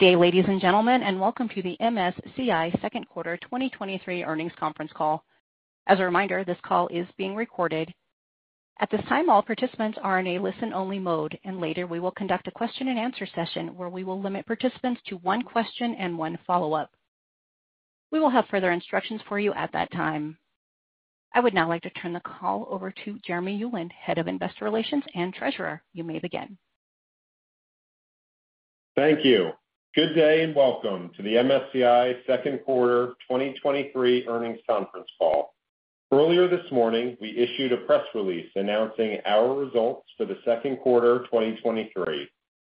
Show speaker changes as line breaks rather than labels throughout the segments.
Good day, ladies and gentlemen, welcome to the MSCI Second Quarter 2023 Earnings Conference Call. As a reminder, this call is being recorded. At this time, all participants are in a listen-only mode, later we will conduct a question-and-answer session, where we will limit participants to 1 question and 1 follow-up. We will have further instructions for you at that time. I would now like to turn the call over to Jeremy Ulan, Head of Investor Relations and Treasurer. You may begin.
Thank you. Good day, welcome to the MSCI Second Quarter 2023 Earnings Conference Call. Earlier this morning, we issued a press release announcing our results for the Q2 of 2023.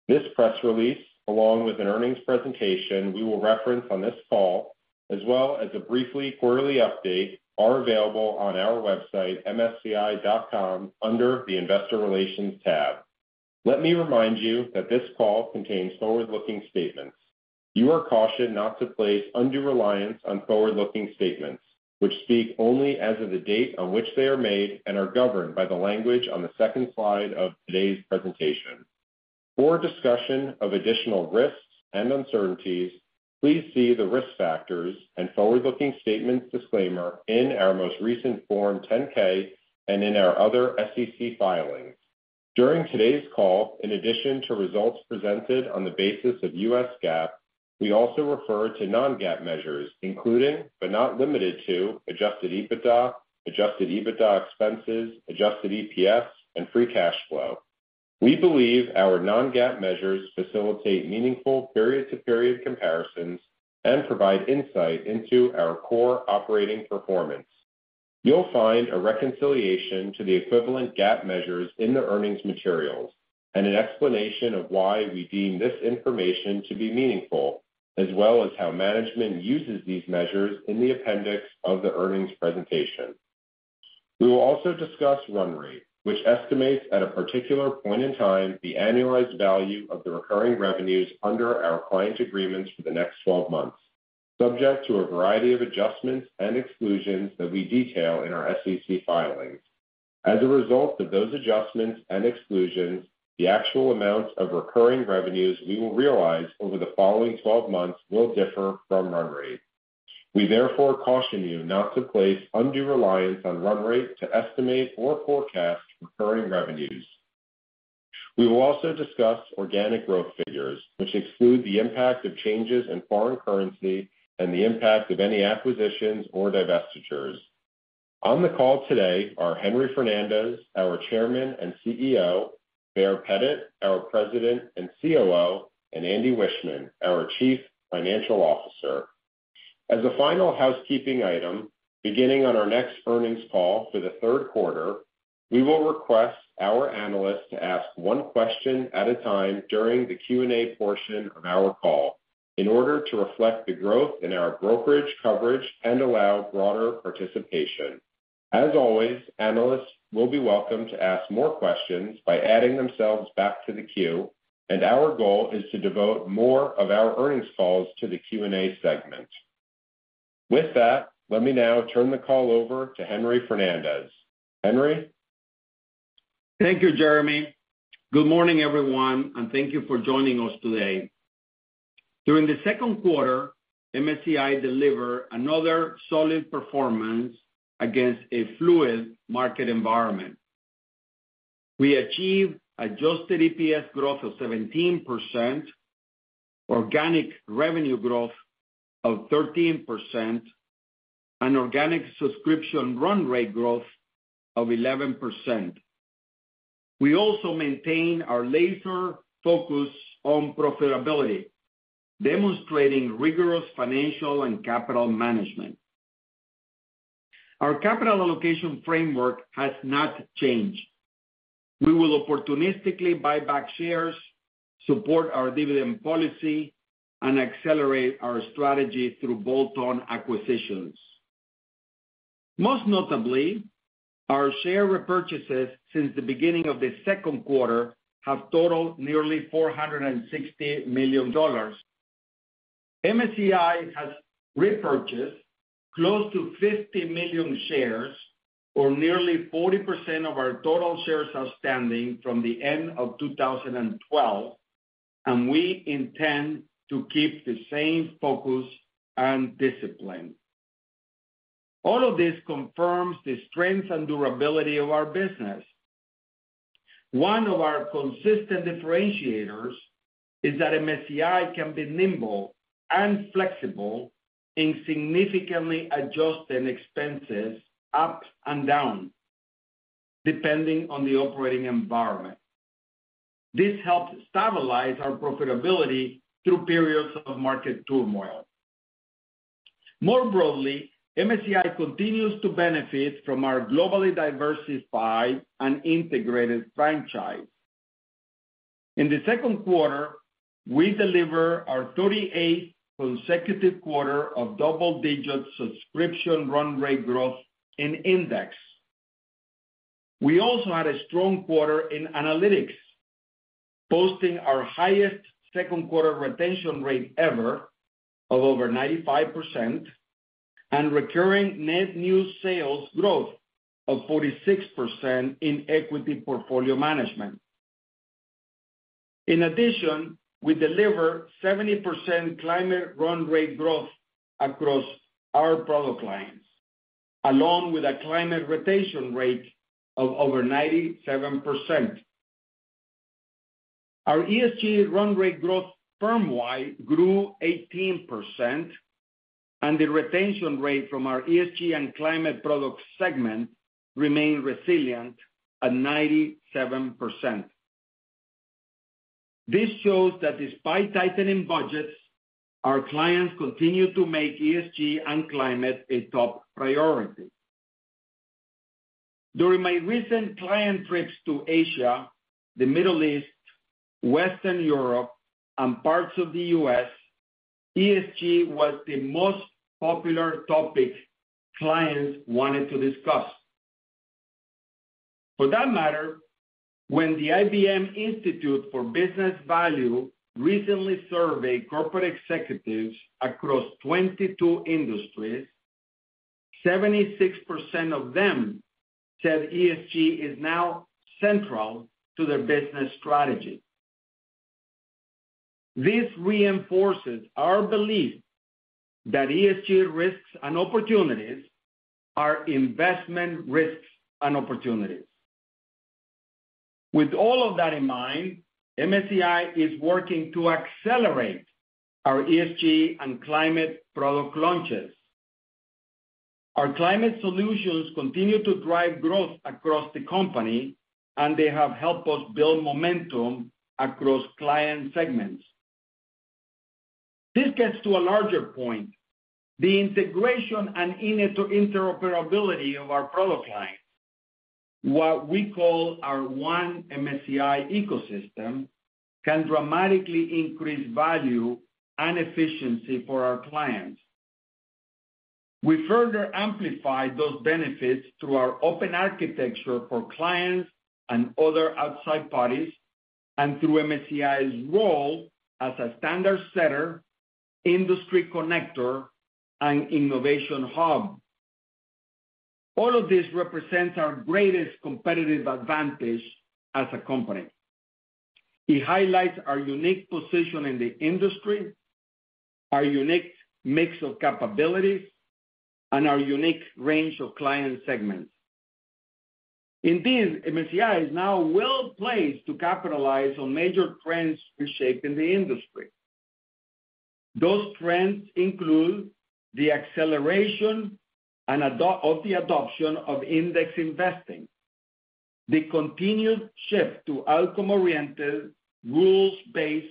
This press release, along with an earnings presentation we will reference on this call, as well as a briefly quarterly update, are available on our website, msci.com, under the Investor Relations tab. Let me remind you that this call contains forward-looking statements. You are cautioned not to place undue reliance on forward-looking statements which speak only as of the date on which they are made and are governed by the language on the second slide of today's presentation. For discussion of additional risks and uncertainties, please see the risk factors and forward-looking statements disclaimer in our most recent Form 10-K and in our other SEC filings. During today's call, in addition to results presented on the basis of US GAAP, we also refer to non-GAAP measures, including, but not limited to, adjusted EBITDA, adjusted EBITDA expenses, adjusted EPS, and free cash flow. We believe our non-GAAP measures facilitate meaningful period-to-period comparisons and provide insight into our core operating performance. You'll find a reconciliation to the equivalent GAAP measures in the earnings materials and an explanation of why we deem this information to be meaningful, as well as how management uses these measures in the appendix of the earnings presentation. We will also discuss run rate, which estimates at a particular point in time, the annualized value of the recurring revenues under our client agreements for the next 12 months, subject to a variety of adjustments and exclusions that we detail in our SEC filings. As a result of those adjustments and exclusions, the actual amounts of recurring revenues we will realize over the following 12 months will differ from run rate. We therefore caution you not to place undue reliance on run rate to estimate or forecast recurring revenues. We will also discuss organic growth figures, which exclude the impact of changes in foreign currency and the impact of any acquisitions or divestitures. On the call today are Henry Fernandez, our Chairman and CEO, Baer Pettit, our President and COO, and Andy Wiechmann, our Chief Financial Officer. As a final housekeeping item, beginning on our next earnings call for the third quarter, we will request our analysts to ask one question at a time during the Q&A portion of our call in order to reflect the growth in our brokerage coverage and allow broader participation. As always, analysts will be welcome to ask more questions by adding themselves back to the queue, and our goal is to devote more of our earnings calls to the Q&A segment. With that, let me now turn the call over to Henry Fernandez. Henry?
Thank you, Jeremy. Good morning, everyone, and thank you for joining us today. During the Q2, MSCI delivered another solid performance against a fluid market environment. We achieved adjusted EPS growth of 17%, organic revenue growth of 13%, and organic subscription run rate growth of 11%. We also maintained our laser focus on profitability, demonstrating rigorous financial and capital management. Our capital allocation framework has not changed. We will opportunistically buy back shares, support our dividend policy, and accelerate our strategy through bolt-on acquisitions. Most notably, our share repurchases since the beginning of the Q2 have totaled nearly $460 million. MSCI has repurchased close to 50 million shares, or nearly 40% of our total shares outstanding from the end of 2012, and we intend to keep the same focus and discipline. All of this confirms the strength and durability of our business. One of our consistent differentiators is that MSCI can be nimble and flexible in significantly adjusting expenses up and down, depending on the operating environment. This helps stabilize our profitability through periods of market turmoil. MSCI continues to benefit from our globally diversified and integrated franchise. In the Q2, we delivered our 38th consecutive quarter of double-digit subscription run rate growth in index. We also had a strong quarter in analytics, posting our highest Q2 retention rate ever of over 95%. Recurring net new sales growth of 46% in equity portfolio management. We deliver 70% climate run rate growth across our product lines, along with a climate rotation rate of over 97%. Our ESG run rate growth firm-wide grew 18%, and the retention rate from our ESG and climate product segment remained resilient at 97%. This shows that despite tightening budgets, our clients continue to make ESG and climate a top priority. During my recent client trips to Asia, the Middle East, Western Europe, and parts of the US, ESG was the most popular topic clients wanted to discuss. For that matter, when the IBM Institute for Business Value recently surveyed corporate executives across 22 industries, 76% of them said ESG is now central to their business strategy. This reinforces our belief that ESG risks and opportunities are investment risks and opportunities. With all of that in mind, MSCI is working to accelerate our ESG and climate product launches. Our climate solutions continue to drive growth across the company, and they have helped us build momentum across client segments. This gets to a larger point, the integration and interoperability of our product line. What we call our one MSCI ecosystem, can dramatically increase value and efficiency for our clients. We further amplify those benefits through our open architecture for clients and other outside parties, and through MSCI's role as a standard setter, industry connector, and innovation hub. This represents our greatest competitive advantage as a company. It highlights our unique position in the industry, our unique mix of capabilities, and our unique range of client segments. In this, MSCI is now well placed to capitalize on major trends reshaping the industry. Those trends include the acceleration of the adoption of index investing, the continued shift to outcome-oriented, rules-based,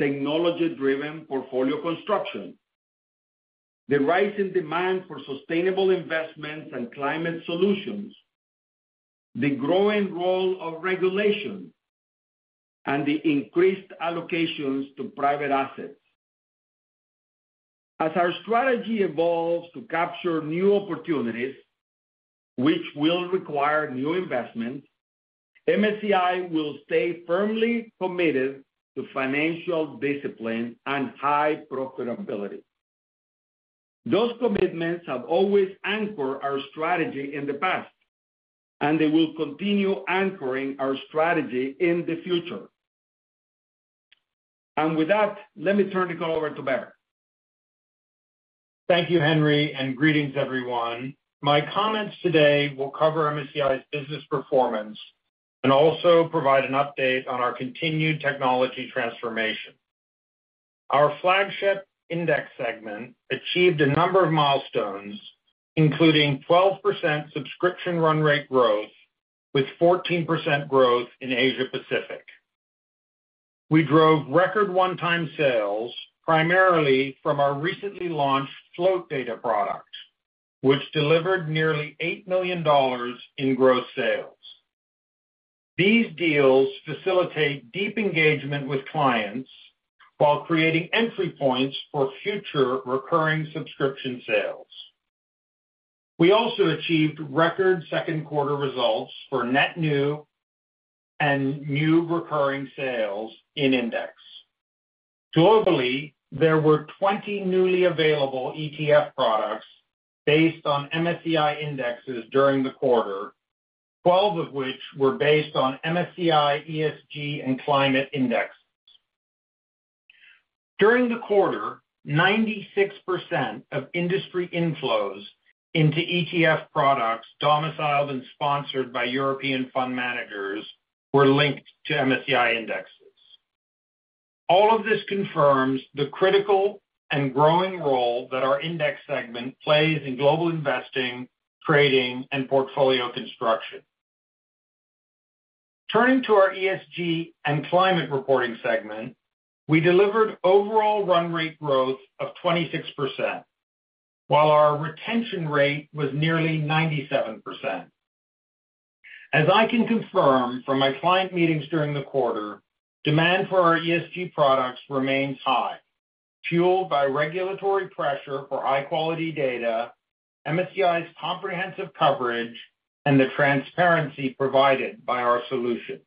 technology-driven portfolio construction, the rising demand for sustainable investments and climate solutions, the growing role of regulation, and the increased allocations to private assets. As our strategy evolves to capture new opportunities, which will require new investments, MSCI will stay firmly committed to financial discipline and high profitability. Those commitments have always anchored our strategy in the past, and they will continue anchoring our strategy in the future. With that, let me turn the call over to Baer.
Thank you, Henry, and greetings everyone. My comments today will cover MSCI's business performance and also provide an update on our continued technology transformation. Our flagship index segment achieved a number of milestones, including 12% subscription run rate growth, with 14% growth in Asia Pacific. We drove record one-time sales, primarily from our recently launched Float Data Product, which delivered nearly $8 million in gross sales. These deals facilitate deep engagement with clients while creating entry points for future recurring subscription sales. We also achieved record Q2 results for net new and new recurring sales in index. Globally, there were 20 newly available ETF products based on MSCI indexes during the quarter, 12 of which were based on MSCI, ESG, and climate indexes. During the quarter, 96% of industry inflows into ETF products domiciled and sponsored by European fund managers were linked to MSCI indexes. All of this confirms the critical and growing role that our index segment plays in global investing, trading, and portfolio construction. Turning to our ESG and climate reporting segment, we delivered overall run rate growth of 26%, while our retention rate was nearly 97%. As I can confirm from my client meetings during the quarter, demand for our ESG products remains high, fueled by regulatory pressure for high-quality data, MSCI's comprehensive coverage, and the transparency provided by our solutions.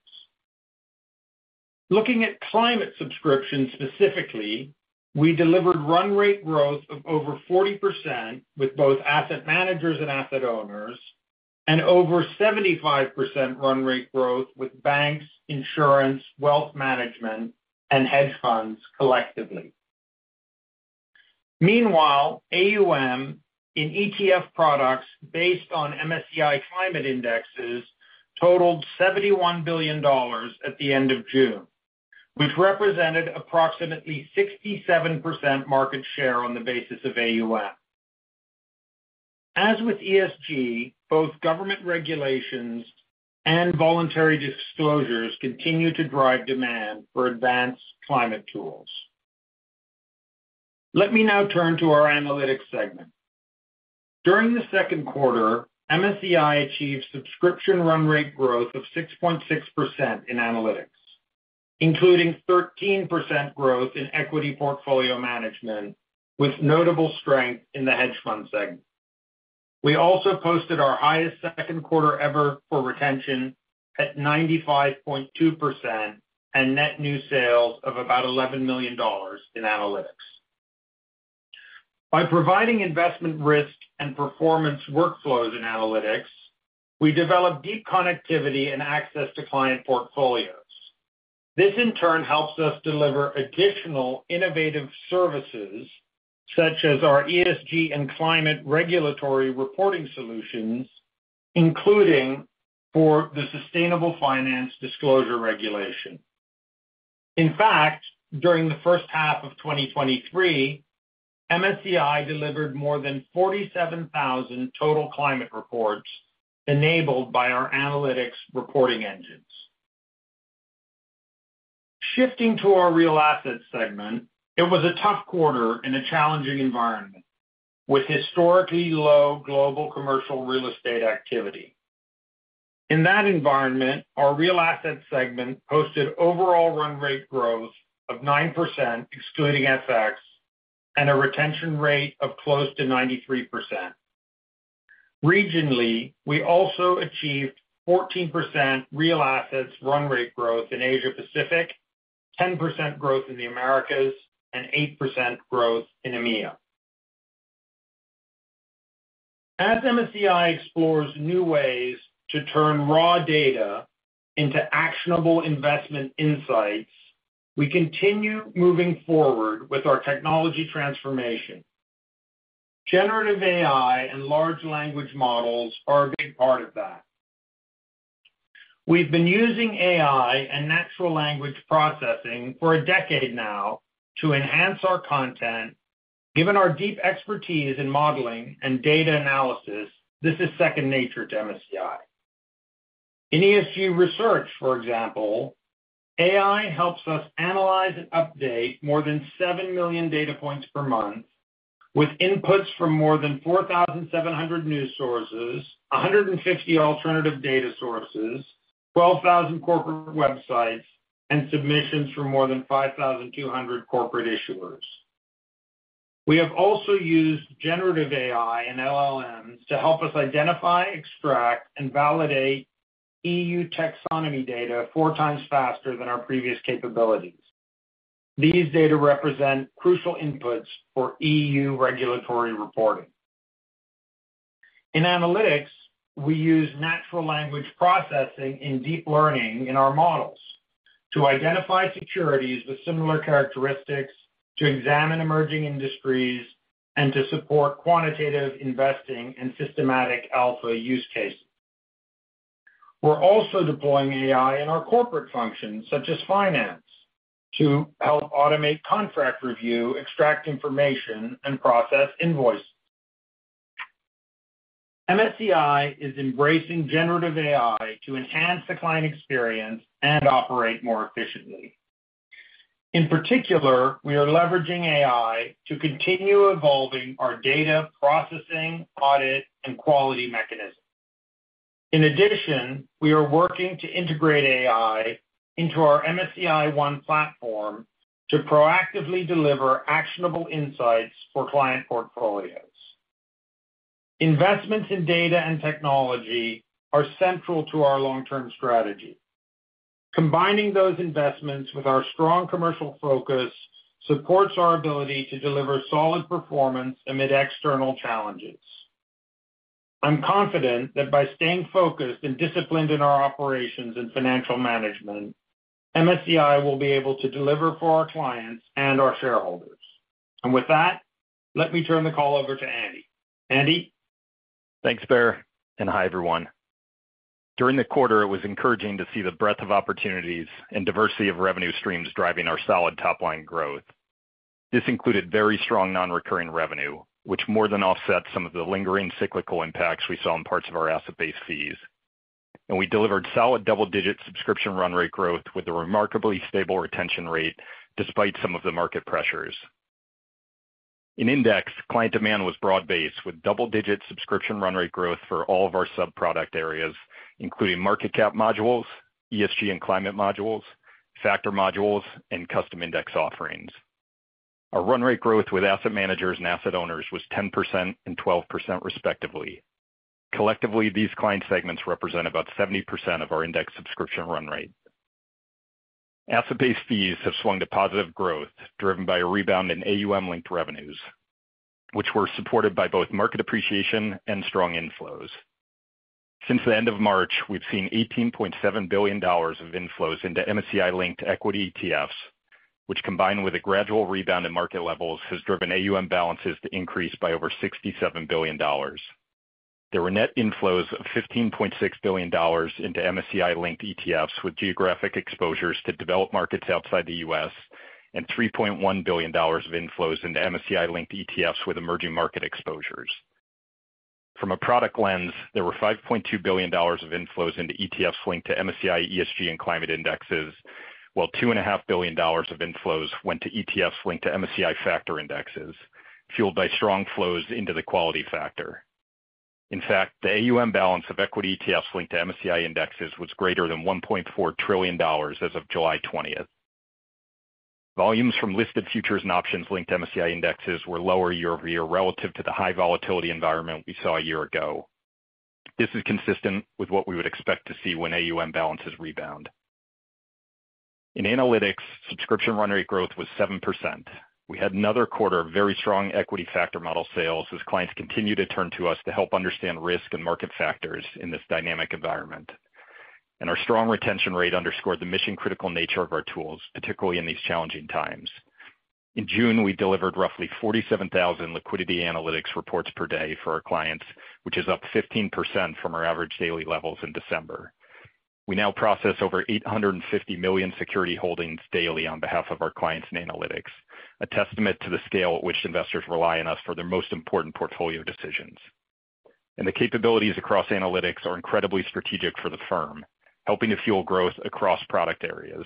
Looking at climate subscription specifically, we delivered run rate growth of over 40% with both asset managers and asset owners, and over 75% run rate growth with banks, insurance, wealth management, and hedge funds collectively. Meanwhile, AUM in ETF products based on MSCI climate indexes totaled $71 billion at the end of June, which represented approximately 67% market share on the basis of AUM. As with ESG, both government regulations and voluntary disclosures continue to drive demand for advanced climate tools. Let me now turn to our analytics segment. During the Q2, MSCI achieved subscription run rate growth of 6.6% in analytics, including 13% growth in equity portfolio management, with notable strength in the hedge fund segment. We also posted our highest Q2 ever for retention at 95.2% and net new sales of about $11 million in analytics. By providing investment risk and performance workflows in analytics, we develop deep connectivity and access to client portfolios. This, in turn, helps us deliver additional innovative services, such as our ESG and climate regulatory reporting solutions, including for the Sustainable Finance Disclosure Regulation. During the H2 of 2023, MSCI delivered more than 47,000 total climate reports enabled by our analytics reporting engines. Shifting to our real asset segment, it was a tough quarter in a challenging environment, with historically low global commercial real estate activity. In that environment, our real asset segment posted overall run rate growth of 9%, excluding FX, and a retention rate of close to 93%. Regionally, we also achieved 14% real assets run rate growth in Asia Pacific, 10% growth in the Americas, and 8% growth in EMEA. As MSCI explores new ways to turn raw data into actionable investment insights, we continue moving forward with our technology transformation. Generative AI and large language models are a big part of that. We've been using AI and natural language processing for a decade now to enhance our content. Given our deep expertise in modeling and data analysis, this is second nature to MSCI. In ESG research, for example, AI helps us analyze and update more than 7 million data points per month, with inputs from more than 4,700 news sources, 150 alternative data sources, 12,000 corporate websites, and submissions from more than 5,200 corporate issuers. We have also used generative AI and LLMs to help us identify, extract, and validate EU taxonomy data four times faster than our previous capabilities. These data represent crucial inputs for EU regulatory reporting. In analytics, we use natural language processing and deep learning in our models to identify securities with similar characteristics, to examine emerging industries, and to support quantitative investing and systematic alpha use cases. We're also deploying AI in our corporate functions, such as finance, to help automate contract review, extract information, and process invoices. MSCI is embracing generative AI to enhance the client experience and operate more efficiently. In particular, we are leveraging AI to continue evolving our data processing, audit, and quality mechanisms. In addition, we are working to integrate AI into our MSCI One platform to proactively deliver actionable insights for client portfolios. Investments in data and technology are central to our long-term strategy. Combining those investments with our strong commercial focus supports our ability to deliver solid performance amid external challenges. I'm confident that by staying focused and disciplined in our operations and financial management, MSCI will be able to deliver for our clients and our shareholders. With that, let me turn the call over to Andy. Andy?
Thanks, Baer, hi, everyone. During the quarter, it was encouraging to see the breadth of opportunities and diversity of revenue streams driving our solid top-line growth. This included very strong non-recurring revenue, which more than offset some of the lingering cyclical impacts we saw in parts of our asset base fees. We delivered solid double-digit subscription run rate growth with a remarkably stable retention rate, despite some of the market pressures. In index, client demand was broad-based, with double-digit subscription run rate growth for all of our sub-product areas, including market cap modules, ESG and climate modules, factor modules, and custom index offerings. Our run rate growth with asset managers and asset owners was 10% and 12% respectively. Collectively, these client segments represent about 70% of our index subscription run rate. Asset-based fees have swung to positive growth, driven by a rebound in AUM-linked revenues, which were supported by both market appreciation and strong inflows. Since the end of March, we've seen $18.7 billion of inflows into MSCI-linked equity ETFs, which, combined with a gradual rebound in market levels, has driven AUM balances to increase by over $67 billion. There were net inflows of $15.6 billion into MSCI-linked ETFs, with geographic exposures to developed markets outside the US, and $3.1 billion of inflows into MSCI-linked ETFs with emerging market exposures. From a product lens, there were $5.2 billion of inflows into ETFs linked to MSCI ESG and climate indexes, while two and a half billion dollars of inflows went to ETFs linked to MSCI factor indexes, fueled by strong flows into the quality factor. In fact, the AUM balance of equity ETFs linked to MSCI indexes was greater than $1.4 trillion as of July 20th. Volumes from listed futures and options linked to MSCI indexes were lower year-over-year relative to the high volatility environment we saw a year ago. This is consistent with what we would expect to see when AUM balances rebound. In analytics, subscription run rate growth was 7%. We had another quarter of very strong equity factor model sales as clients continue to turn to us to help understand risk and market factors in this dynamic environment. Our strong retention rate underscored the mission-critical nature of our tools, particularly in these challenging times. In June, we delivered roughly 47,000 liquidity analytics reports per day for our clients, which is up 15% from our average daily levels in December. We now process over 850 million security holdings daily on behalf of our clients in analytics, a testament to the scale at which investors rely on us for their most important portfolio decisions. The capabilities across analytics are incredibly strategic for the firm, helping to fuel growth across product areas.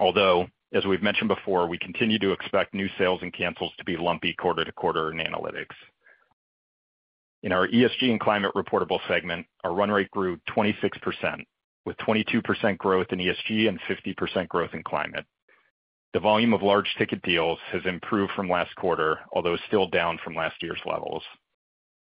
Although, as we've mentioned before, we continue to expect new sales and cancels to be lumpy quarter to quarter in analytics. In our ESG and climate reportable segment, our run rate grew 26%, with 22% growth in ESG and 50% growth in climate. The volume of large ticket deals has improved from last quarter, although still down from last year's levels.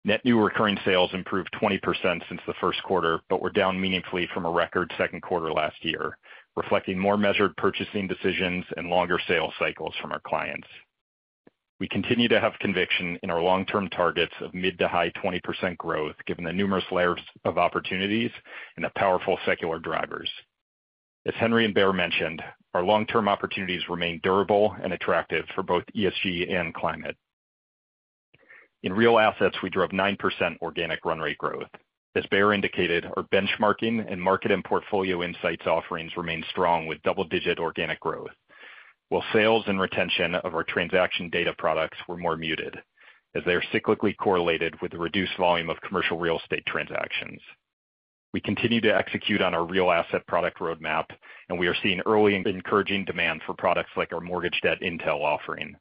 Net new recurring sales improved 20% since the Q1, but were down meaningfully from a record Q2 last year, reflecting more measured purchasing decisions and longer sales cycles from our clients. We continue to have conviction in our long-term targets of mid to high 20% growth, given the numerous layers of opportunities and the powerful secular drivers. As Henry and Baer mentioned, our long-term opportunities remain durable and attractive for both ESG and climate. In real assets, we drove 9% organic run rate growth. As Baer indicated, our benchmarking and market and portfolio insights offerings remain strong, with double-digit organic growth, while sales and retention of our transaction data products were more muted, as they are cyclically correlated with the reduced volume of commercial real estate transactions. We continue to execute on our real asset product roadmap, and we are seeing early encouraging demand for products like our Mortgage Debt Intelligence offering.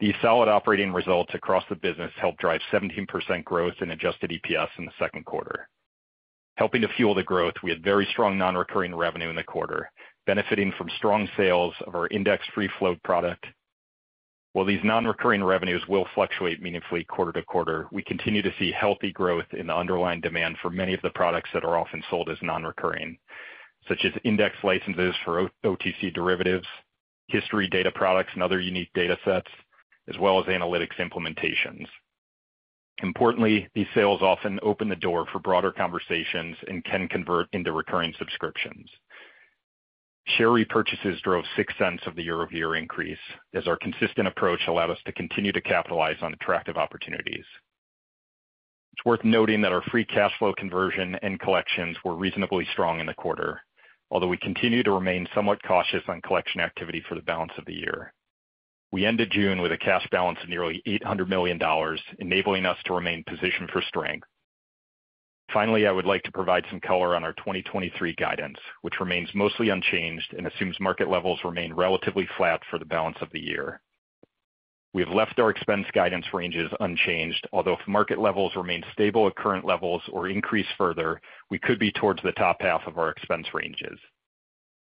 These solid operating results across the business helped drive 17% growth in adjusted EPS in the Q2. Helping to fuel the growth, we had very strong non-recurring revenue in the quarter, benefiting from strong sales of our index free float product. While these non-recurring revenues will fluctuate meaningfully quarter to quarter, we continue to see healthy growth in the underlying demand for many of the products that are often sold as non-recurring, such as index licenses for OTC derivatives, history data products, and other unique datasets, as well as analytics implementations. Importantly, these sales often open the door for broader conversations and can convert into recurring subscriptions. Share repurchases drove $0.06 of the year-over-year increase, as our consistent approach allowed us to continue to capitalize on attractive opportunities. It's worth noting that our free cash flow conversion and collections were reasonably strong in the quarter, although we continue to remain somewhat cautious on collection activity for the balance of the year. We ended June with a cash balance of nearly $800 million, enabling us to remain positioned for strength. I would like to provide some color on our 2023 guidance, which remains mostly unchanged and assumes market levels remain relatively flat for the balance of the year. We have left our expense guidance ranges unchanged, although if market levels remain stable at current levels or increase further, we could be towards the top half of our expense ranges.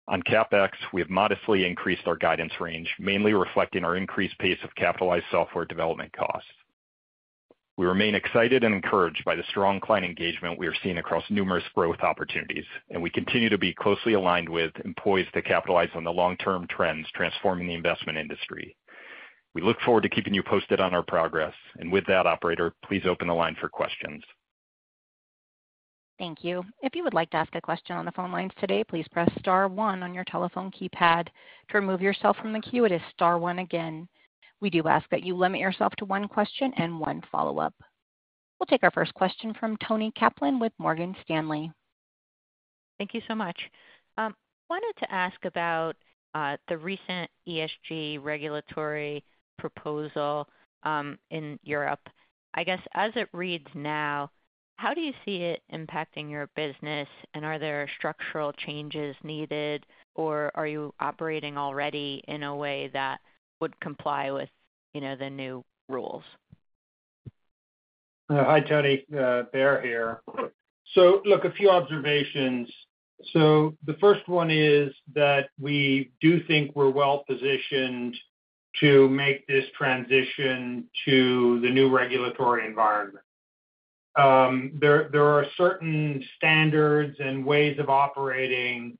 On CapEx, we have modestly increased our guidance range, mainly reflecting our increased pace of capitalized software development costs. We remain excited and encouraged by the strong client engagement we are seeing across numerous growth opportunities, we continue to be closely aligned with and poised to capitalize on the long-term trends transforming the investment industry. We look forward to keeping you posted on our progress. With that, operator, please open the line for questions.
Thank you. [Operator Instructions]. We'll take our first question from Toni Kaplan with Morgan Stanley.
Thank you so much. I wanted to ask about, the recent ESG regulatory proposal, in Europe. I guess, as it reads now, how do you see it impacting your business, are there structural changes needed, or are you operating already in a way that would comply with, you know, the new rules?
Hi, Tony. Baer here. Look, a few observations. The first one is that we do think we're well-positioned to make this transition to the new regulatory environment. There, there are certain standards and ways of operating,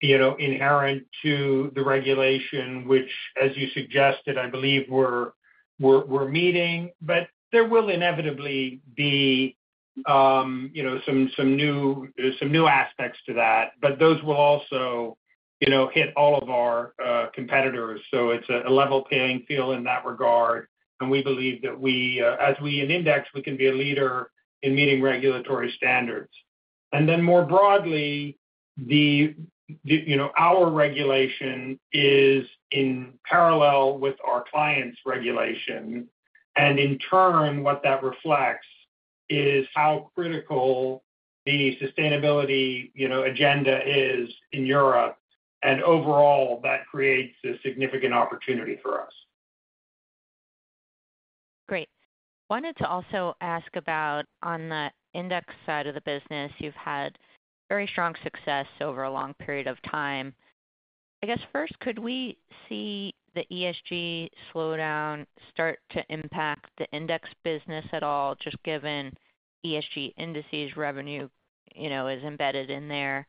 you know, inherent to the regulation, which, as you suggested, I believe we're meeting. There will inevitably be, you know, some new aspects to that. Those will also, you know, hit all of our competitors. It's a level playing field in that regard, and we believe that we, as we in index, we can be a leader in meeting regulatory standards. More broadly, the, you know, our regulation is in parallel with our clients' regulation. In turn, what that reflects is how critical the sustainability, you know, agenda is in Europe, and overall, that creates a significant opportunity for us.
Great. Wanted to also ask about on the index side of the business, you've had very strong success over a long period of time. I guess first, could we see the ESG slowdown start to impact the index business at all, just given ESG indices revenue, you know, is embedded in there?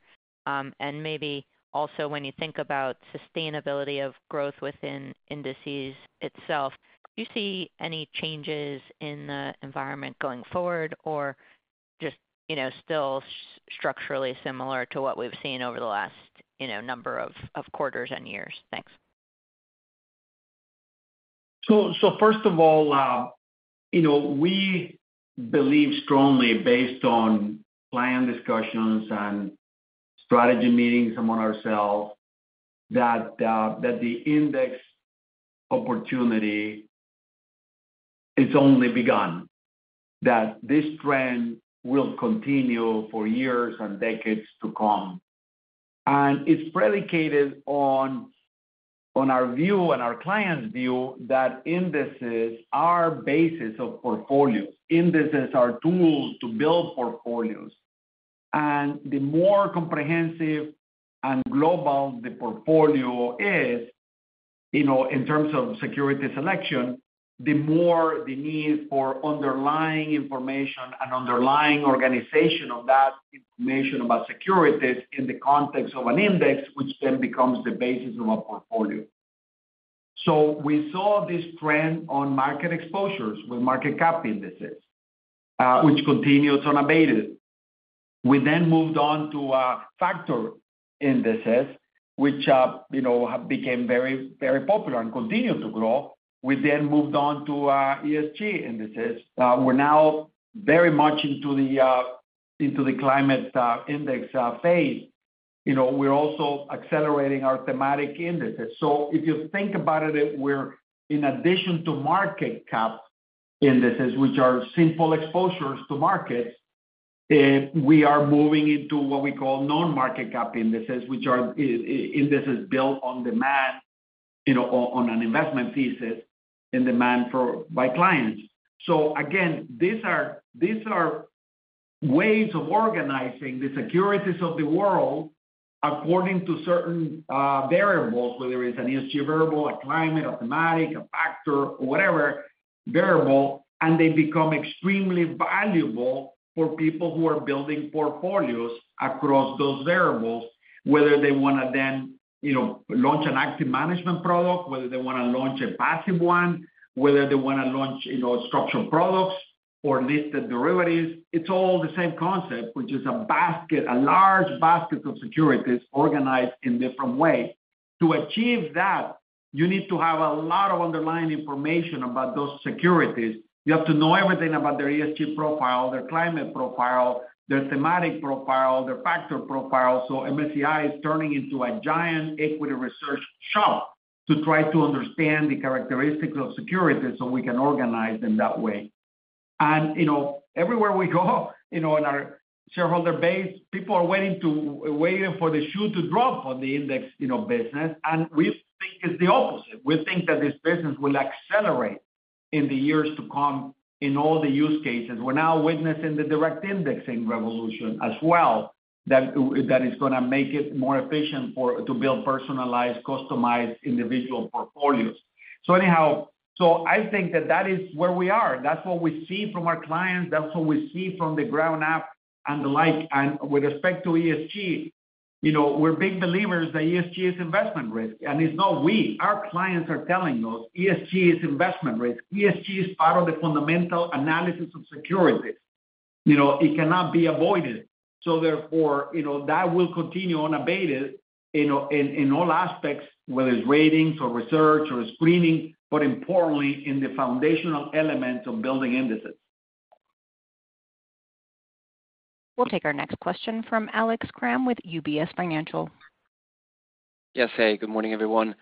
Maybe also, when you think about sustainability of growth within indices itself, do you see any changes in the environment going forward, or just, you know, still structurally similar to what we've seen over the last, you know, number of quarters and years? Thanks.
First of all, you know, we believe strongly based on client discussions and strategy meetings among ourselves, that the index opportunity, it's only begun, that this trend will continue for years and decades to come. It's predicated on our view and our clients' view that indices are basis of portfolios. Indices are tools to build portfolios. The more comprehensive and global the portfolio is, you know, in terms of security selection, the more the need for underlying information and underlying organization of that information about securities in the context of an index, which then becomes the basis of a portfolio. We saw this trend on market exposures with market cap indices, which continues unabated. We moved on to factor indices, which, you know, became very, very popular and continue to grow. We moved on to ESG indices. We're now very much into the into the climate index phase. You know, we're also accelerating our thematic indices. If you think about it, we're in addition to market cap indices, which are simple exposures to markets, we are moving into what we call non-market cap indices, which are indices built on demand, you know, on an investment thesis and demand for by clients. Again, these are ways of organizing the securities of the world according to certain variables, whether it's an ESG variable, a climate, a thematic, a factor, or whatever variable. They become extremely valuable for people who are building portfolios across those variables, whether they want to then, you know, launch an active management product, whether they want to launch a passive one, whether they want to launch, you know, structural products or listed derivatives. It's all the same concept, which is a basket, a large basket of securities organized in different ways. To achieve that, you need to have a lot of underlying information about those securities. You have to know everything about their ESG profile, their climate profile, their thematic profile, their factor profile. MSCI is turning into a giant equity research shop to try to understand the characteristics of securities so we can organize them that way. You know, everywhere we go, you know, in our shareholder base, people are waiting for the shoe to drop on the index, you know, business, and we think it's the opposite. We think that this business will accelerate in the years to come in all the use cases. We're now witnessing the direct indexing revolution as well, that is gonna make it more efficient to build personalized, customized individual portfolios. Anyhow, I think that that is where we are. That's what we see from our clients, that's what we see from the ground up and the like. With respect to ESG, you know, we're big believers that ESG is investment risk. It's not we, our clients are telling us ESG is investment risk, ESG is part of the fundamental analysis of securities. You know, it cannot be avoided, so therefore, you know, that will continue unabated in, in all aspects, whether it's ratings or research or screening, but importantly, in the foundational elements of building indices.
We'll take our next question from Alex Kramm with UBS Financial.
Yes. Hey, good morning, everyone.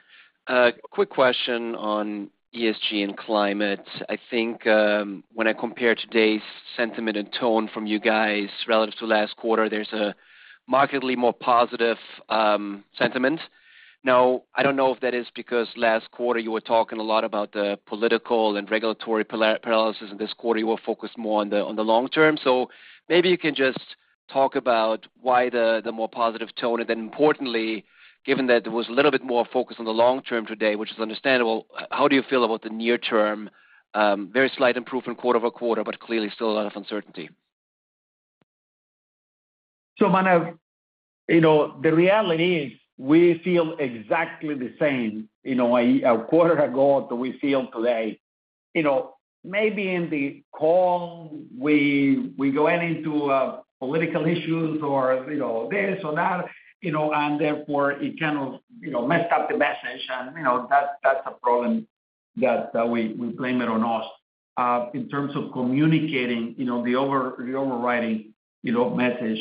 Quick question on ESG and climate. I think, when I compare today's sentiment and tone from you guys relative to last quarter, there's a markedly more positive sentiment. I don't know if that is because last quarter you were talking a lot about the political and regulatory paralysis, and this quarter you will focus more on the, on the long term. Maybe you can just talk about why the more positive tone, and then importantly, given that there was a little bit more focus on the long term today, which is understandable, how do you feel about the near term? Very slight improvement quarter-over-quarter, but clearly still a lot of uncertainty.
Manav, you know, the reality is we feel exactly the same, you know, a quarter ago that we feel today. Maybe in the call, we go into political issues or, you know, this or that, you know, it kind of, you know, messed up the message. You know, that's a problem that we blame it on us. In terms of communicating, you know, the overriding, you know, message.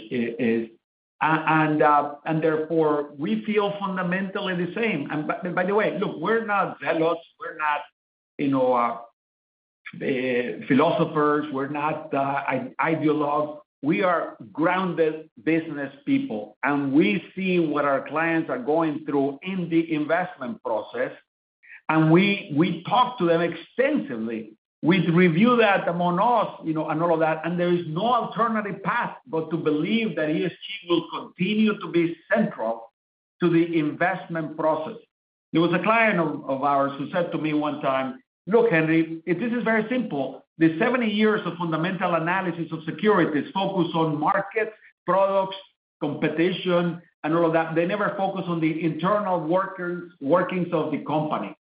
Therefore, we feel fundamentally the same. By the way, look, we're not zealous, we're not philosophers, we're not ideologues. We are grounded business people, and we see what our clients are going through in the investment process, and we talk to them extensively. We review that among us, you know, all of that, There is no alternative path but to believe that ESG will continue to be central to the investment process. There was a client of ours who said to me one time: Look, Henry, this is very simple. The 70 years of fundamental analysis of securities focus on market, products, competition, and all of that. They never focus on the internal workings of the company.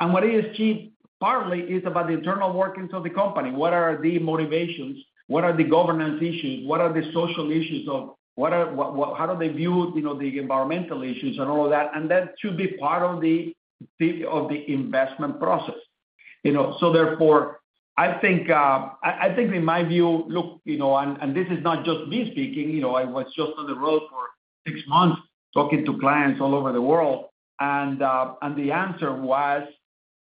What ESG partly is about the internal workings of the company. What are the motivations? What are the governance issues? What are the social issues? How do they view, you know, the environmental issues and all of that? That should be part of the piece of the investment process. You know, therefore, I think in my view, look, you know, this is not just me speaking, you know, I was just on the road for 6 months talking to clients all over the world. The answer was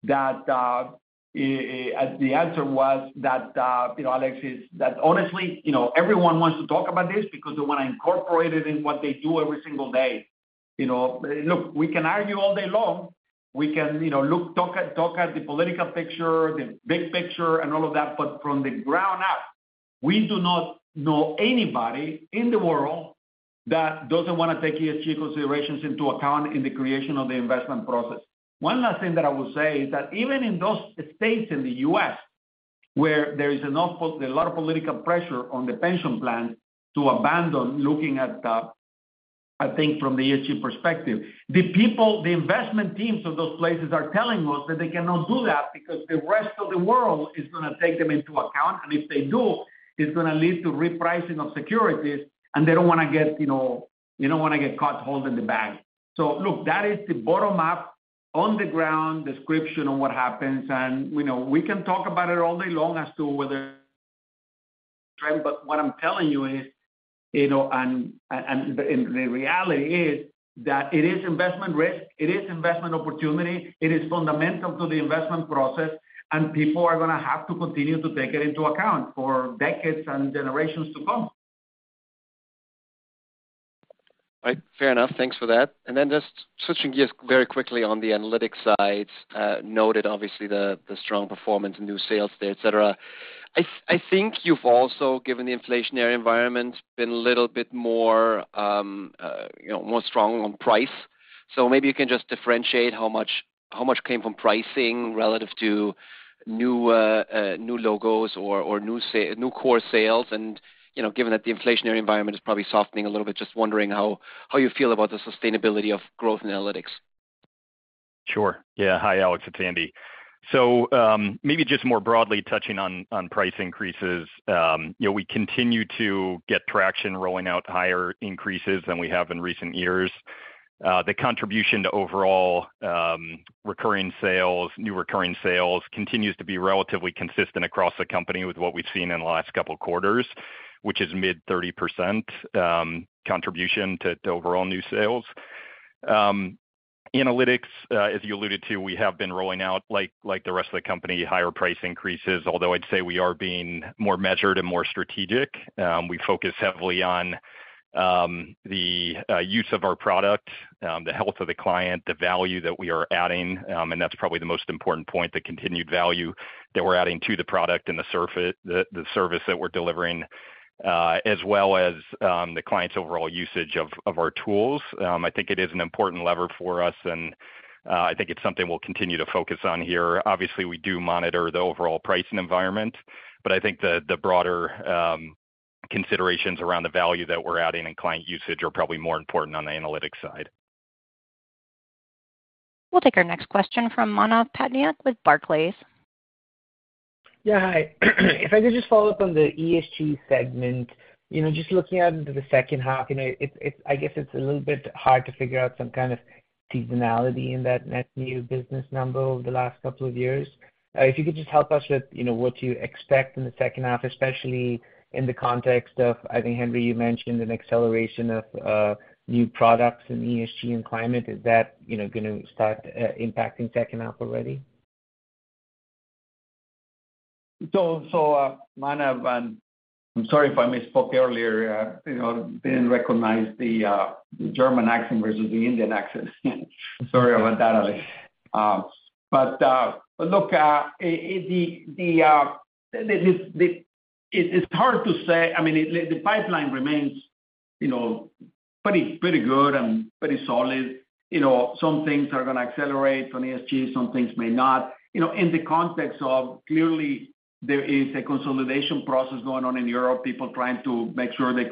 that, the answer was that, you know, Alex, is that honestly, you know, everyone wants to talk about this because they want to incorporate it in what they do every single day. You know, look, we can argue all day long. We can, you know, look, talk at the political picture, the big picture, and all of that, but from the ground up, we do not know anybody in the world that doesn't want to take ESG considerations into account in the creation of the investment process. One last thing that I will say is that even in those states in the US where there is a lot of political pressure on the pension plans to abandon looking at, I think from the ESG perspective, the people, the investment teams of those places are telling us that they cannot do that because the rest of the world is gonna take them into account. If they do, it's gonna lead to repricing of securities, and they don't wanna get, you know, you don't wanna get caught holding the bag. Look, that is the bottom up, on the ground description of what happens, and, you know, we can talk about it all day long as to whether. What I'm telling you is, you know, and the reality is that it is investment risk, it is investment opportunity, it is fundamental to the investment process, and people are gonna have to continue to take it into account for decades and generations to come.
Right. Fair enough. Thanks for that. Just switching gears very quickly on the analytics side, noted, obviously, the strong performance in new sales there, et cetera. I think you've also, given the inflationary environment, been a little bit more, you know, more strong on price. Maybe you can just differentiate how much came from pricing relative to new logos or new core sales? You know, given that the inflationary environment is probably softening a little bit, just wondering how you feel about the sustainability of growth in analytics?
Sure. Yeah. Hi, Alex, it's Andy. Maybe just more broadly touching on price increases, you know, we continue to get traction rolling out higher increases than we have in recent years. The contribution to overall recurring sales, new recurring sales, continues to be relatively consistent across the company with what we've seen in the last couple of quarters, which is mid 30% contribution to overall new sales. Analytics, as you alluded to, we have been rolling out, like the rest of the company, higher price increases, although I'd say we are being more measured and more strategic. We focus heavily on the use of our product, the health of the client, the value that we are adding, and that's probably the most important point, the continued value that we're adding to the product and the service that we're delivering, as well as the client's overall usage of our tools. I think it is an important lever for us, and I think it's something we'll continue to focus on here. Obviously, we do monitor the overall pricing environment, but I think the broader considerations around the value that we're adding and client usage are probably more important on the analytics side.
We'll take our next question from Manav Patnaik with Barclays.
Yeah, hi. If I could just follow up on the ESG segment. You know, just looking at into the H2, you know, it, I guess it's a little bit hard to figure out some kind of seasonality in that net new business number over the last couple of years. If you could just help us with, you know, what you expect in the H2, especially in the context of, I think, Henry, you mentioned an acceleration of new products in ESG and climate. Is that, you know, gonna start impacting H2 already?
Manav, and I'm sorry if I misspoke earlier, you know, didn't recognize the German accent versus the Indian accent. Sorry about that, Alex. Look, the pipeline remains, you know, pretty good and pretty solid. You know, some things are gonna accelerate on ESG, some things may not. You know, in the context of clearly there is a consolidation process going on in Europe, people trying to make sure they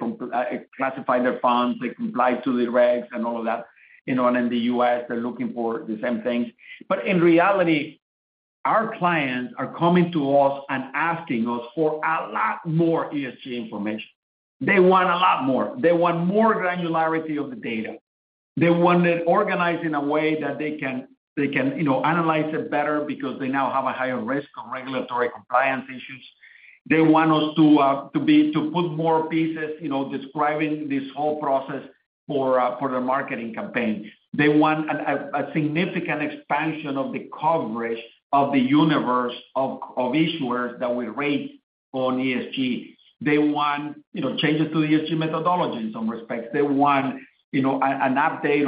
classify their funds, they comply to the regs and all of that, you know, and in the US, they're looking for the same things. But in reality, our clients are coming to us and asking us for a lot more ESG information. They want a lot more. They want more granularity of the data. They want it organized in a way that they can, you know, analyze it better because they now have a higher risk on regulatory compliance issues. They want us to put more pieces, you know, describing this whole process for their marketing campaign. They want a significant expansion of the coverage of the universe of issuers that we rate on ESG. They want, you know, changes to the ESG methodology in some respects. They want, you know, an update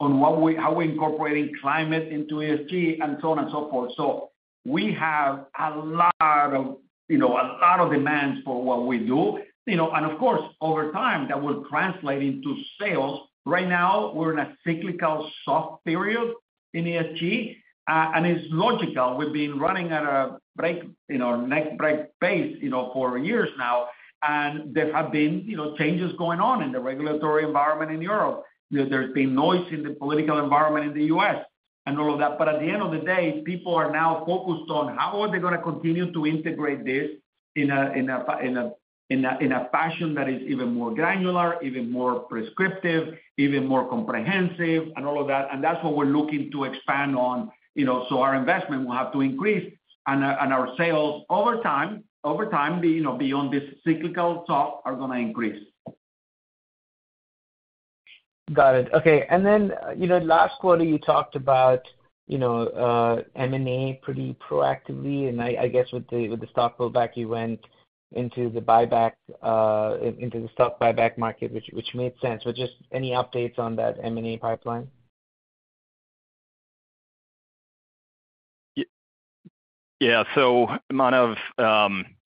on how we're incorporating climate into ESG, and so on and so forth. We have a lot of, you know, a lot of demands for what we do, you know, of course, over time, that will translate into sales. Right now, we're in a cyclical soft period in ESG, and it's logical. We've been running at a break, you know, neckbreak pace, you know, for years now. There have been, you know, changes going on in the regulatory environment in Europe. You know, there's been noise in the political environment in the US and all of that. At the end of the day, people are now focused on how are they gonna continue to integrate this in a fashion that is even more granular, even more prescriptive, even more comprehensive, and all of that. That's what we're looking to expand on, you know. Our investment will have to increase, and our sales over time, you know, beyond this cyclical talk, are gonna increase.
Got it. Okay, you know, last quarter, you talked about, you know, M&A pretty proactively. I guess with the stock pullback, you went into the buyback, into the stock buyback market, which made sense. Any updates on that M&A pipeline?
Yeah. Manav,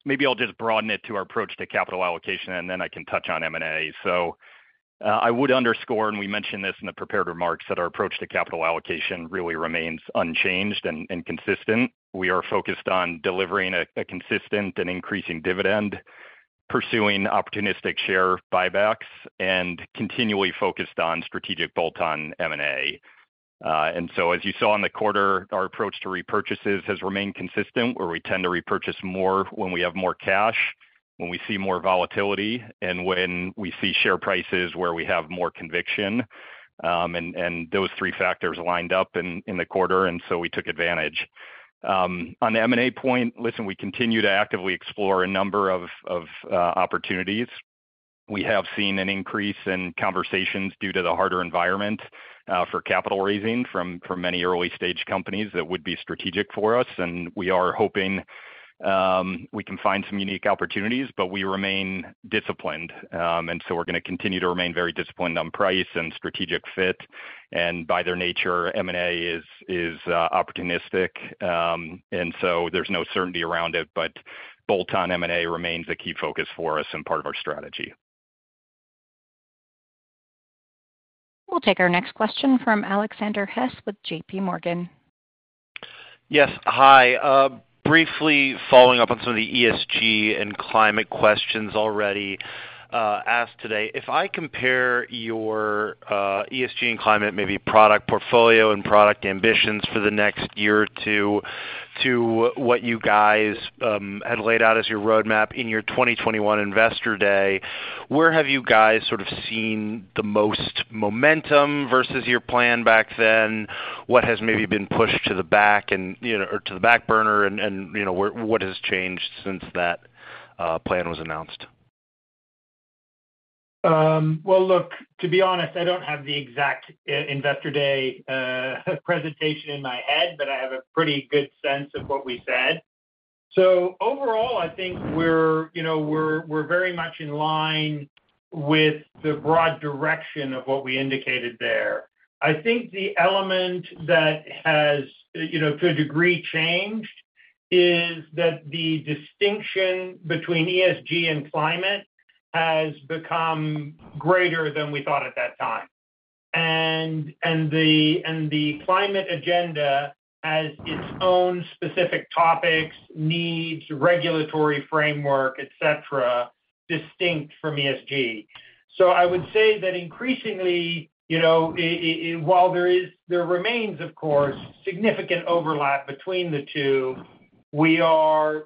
maybe I'll just broaden it to our approach to capital allocation, I can touch on M&A. I would underscore, and we mentioned this in the prepared remarks, that our approach to capital allocation really remains unchanged and consistent. We are focused on delivering a consistent and increasing dividend, pursuing opportunistic share buybacks, and continually focused on strategic bolt-on M&A. As you saw in the quarter, our approach to repurchases has remained consistent, where we tend to repurchase more when we have more cash, when we see more volatility, and when we see share prices where we have more conviction. And those three factors lined up in the quarter, we took advantage. On the M&A point, listen, we continue to actively explore a number of opportunities. We have seen an increase in conversations due to the harder environment for capital raising from many early-stage companies that would be strategic for us, and we are hoping we can find some unique opportunities, but we remain disciplined. We're gonna continue to remain very disciplined on price and strategic fit, and by their nature, M&A is opportunistic. There's no certainty around it, but bolt-on M&A remains a key focus for us and part of our strategy.
We'll take our next question from Alexander Hess with JPMorgan.
Yes. Hi. Briefly following up on some of the ESG and climate questions already asked today. If I compare your ESG and climate, maybe product portfolio and product ambitions for the next year or 2, to what you guys had laid out as your roadmap in your 2021 investor day, where have you guys sort of seen the most momentum versus your plan back then? What has maybe been pushed to the back and, you know, or to the back burner, and, you know, what has changed since that plan was announced?
Well, look, to be honest, I don't have the exact investor day presentation in my head, but I have a pretty good sense of what we said. Overall, I think we're, you know, we're very much in line with the broad direction of what we indicated there. I think the element that has, you know, to a degree, changed, is that the distinction between ESG and climate has become greater than we thought at that time. The climate agenda has its own specific topics, needs, regulatory framework, et cetera, distinct from ESG. I would say that increasingly, you know, while there remains, of course, significant overlap between the two, we are,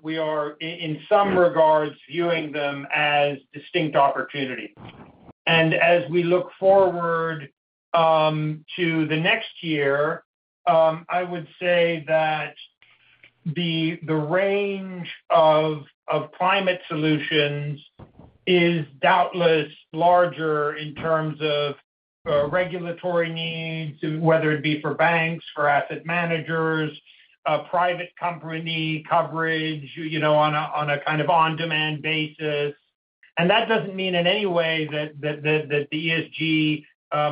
in some regards, viewing them as distinct opportunities. As we look forward to the next year, I would say that the range of climate solutions is doubtless larger in terms of regulatory needs, whether it be for banks, for asset managers, private company coverage, you know, on a kind of on-demand basis. That doesn't mean in any way that the ESG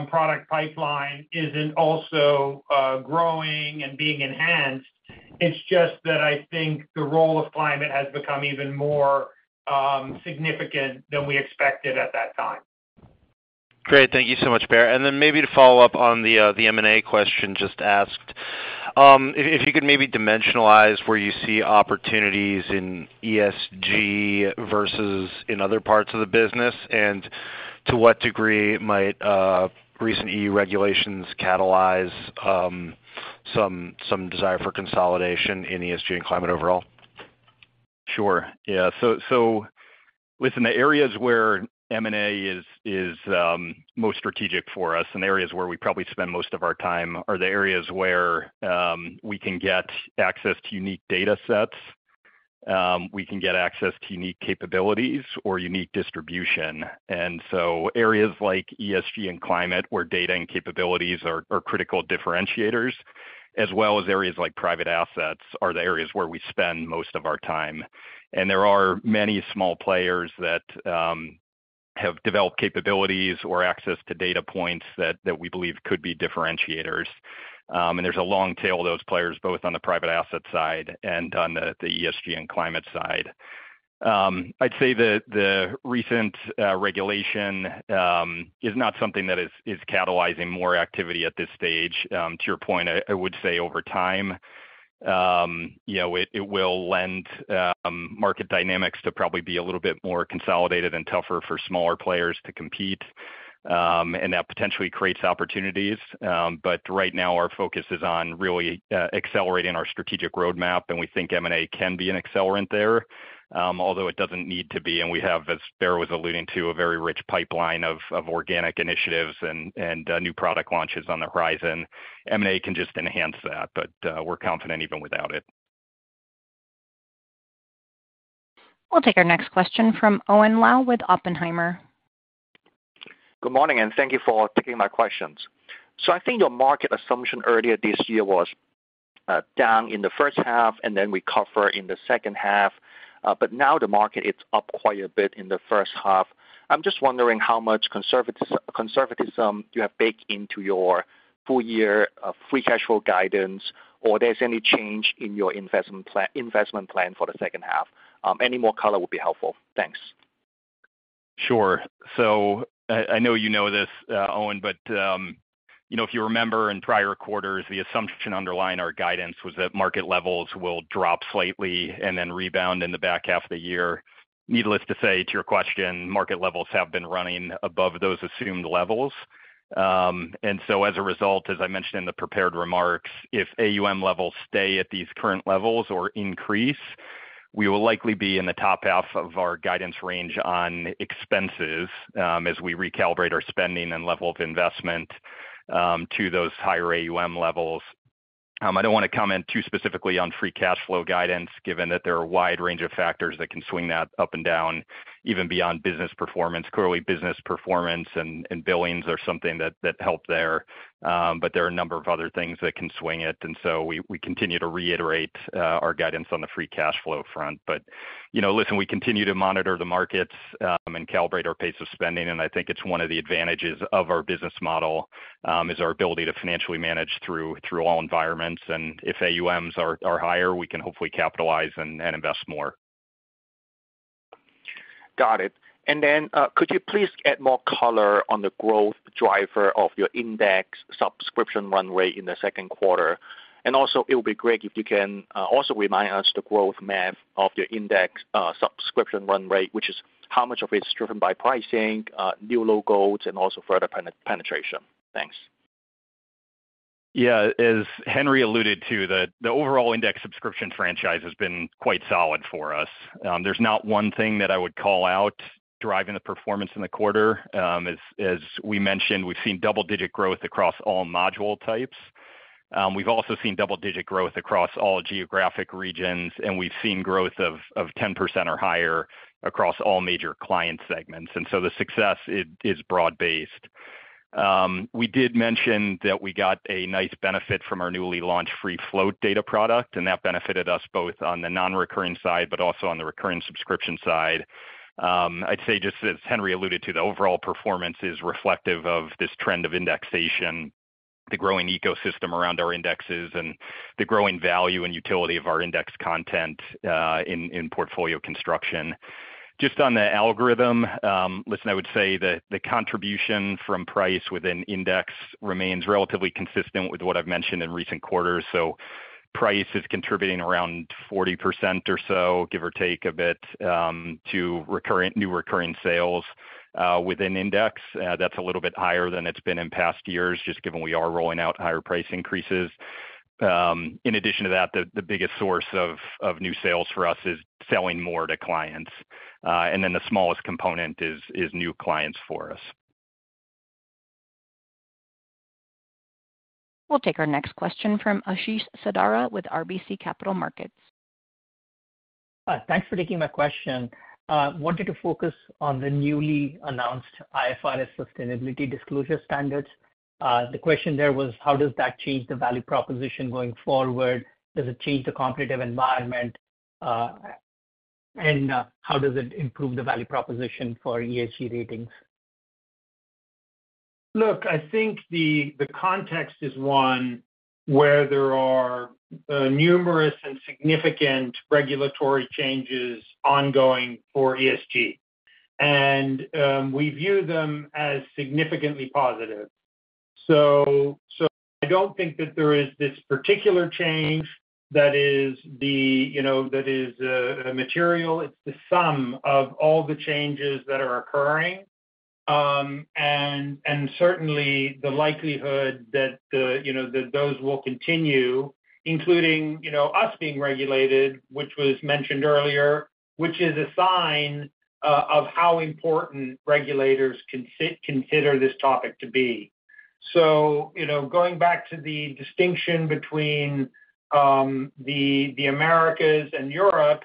product pipeline isn't also growing and being enhanced. It's just that I think the role of climate has become even more significant than we expected at that time.
Great. Thank you so much, Baer. Then maybe to follow up on the M&A question just asked, if you could maybe dimensionalize where you see opportunities in ESG versus in other parts of the business, and to what degree might recent EU regulations catalyze some desire for consolidation in ESG and climate overall?
Sure. Yeah, within the areas where M&A is most strategic for us, and areas where we probably spend most of our time, are the areas where, we can get access to unique data sets, we can get access to unique capabilities or unique distribution. Areas like ESG and climate, where data and capabilities are critical differentiators, as well as areas like private assets, are the areas where we spend most of our time. There are many small players that, have developed capabilities or access to data points that we believe could be differentiators. There's a long tail of those players, both on the private asset side and on the ESG and climate side. I'd say that the recent, regulation, is not something that is catalyzing more activity at this stage. To your point, I would say over time, it will lend market dynamics to probably be a little bit more consolidated and tougher for smaller players to compete, and that potentially creates opportunities. Right now, our focus is on really accelerating our strategic roadmap, and we think M&A can be an accelerant there, although it doesn't need to be, and we have, as Baer was alluding to, a very rich pipeline of organic initiatives and new product launches on the horizon. M&A can just enhance that, but we're confident even without it.
We'll take our next question from Owen Lau with Oppenheimer.
Good morning, and thank you for taking my questions. I think your market assumption earlier this year was down in the H1 and then recover in the H2. Now the market is up quite a bit in the H1. I'm just wondering how much conservatism you have baked into your full year of free cash flow guidance, or there's any change in your investment plan for the H2? Any more color will be helpful. Thanks.
Sure. I know you know this, Owen, but, you know, if you remember in prior quarters, the assumption underlying our guidance was that market levels will drop slightly and then rebound in the back half of the year. Needless to say, to your question, market levels have been running above those assumed levels. As a result, as I mentioned in the prepared remarks, if AUM levels stay at these current levels or increase, we will likely be in the top half of our guidance range on expenses, as we recalibrate our spending and level of investment to those higher AUM levels. I don't want to comment too specifically on free cash flow guidance, given that there are a wide range of factors that can swing that up and down, even beyond business performance. Clearly, business performance and billings are something that help there, but there are a number of other things that can swing it, and so we continue to reiterate our guidance on the free cash flow front. You know, listen, we continue to monitor the markets, and calibrate our pace of spending, and I think it's one of the advantages of our business model, is our ability to financially manage through all environments. If AUMs are higher, we can hopefully capitalize and invest more.
Got it. Then, could you please add more color on the growth driver of your index subscription run rate in the Q2? Also, it would be great if you can also remind us the growth math of your index subscription run rate, which is how much of it is driven by pricing, new logos, and also further penetration? Thanks.
Yeah. As Henry alluded to, the overall index subscription franchise has been quite solid for us. There's not one thing that I would call out driving the performance in the quarter. As we mentioned, we've seen double-digit growth across all module types. We've also seen double-digit growth across all geographic regions, and we've seen growth of 10% or higher across all major client segments. The success is broad-based. We did mention that we got a nice benefit from our newly launched free float data product, and that benefited us both on the non-recurring side, but also on the recurring subscription side. I'd say just as Henry alluded to, the overall performance is reflective of this trend of indexation, the growing ecosystem around our indexes, and the growing value and utility of our index content, in portfolio construction. Just on the algorithm, listen, I would say that the contribution from price within index remains relatively consistent with what I've mentioned in recent quarters. Price is contributing around 40% or so, give or take a bit, to new recurring sales, within index. That's a little bit higher than it's been in past years, just given we are rolling out higher price increases. In addition to that, the biggest source of new sales for us is selling more to clients. The smallest component is new clients for us.
We'll take our next question from Ashish Sabadra with RBC Capital Markets.
Thanks for taking my question. Wanted to focus on the newly announced IFRS Sustainability Disclosure Standards. The question there was, how does that change the value proposition going forward. Does it change the competitive environment, and how does it improve the value proposition for ESG ratings?
Look, I think the context is one where there are numerous and significant regulatory changes ongoing for ESG, and we view them as significantly positive. I don't think that there is this particular change that is, you know, that is material. It's the sum of all the changes that are occurring, and certainly the likelihood that, you know, those will continue, including, you know, us being regulated, which was mentioned earlier, which is a sign of how important regulators consider this topic to be. You know, going back to the distinction between the Americas and Europe,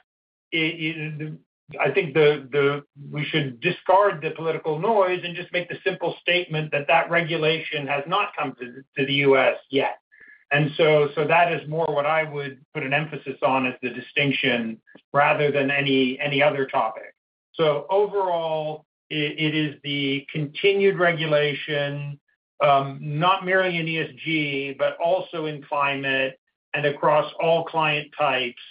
I think the, we should discard the political noise and just make the simple statement that that regulation has not come to the US yet. That is more what I would put an emphasis on as the distinction, rather than any other topic. Overall, it is the continued regulation, not merely in ESG, but also in climate and across all client types,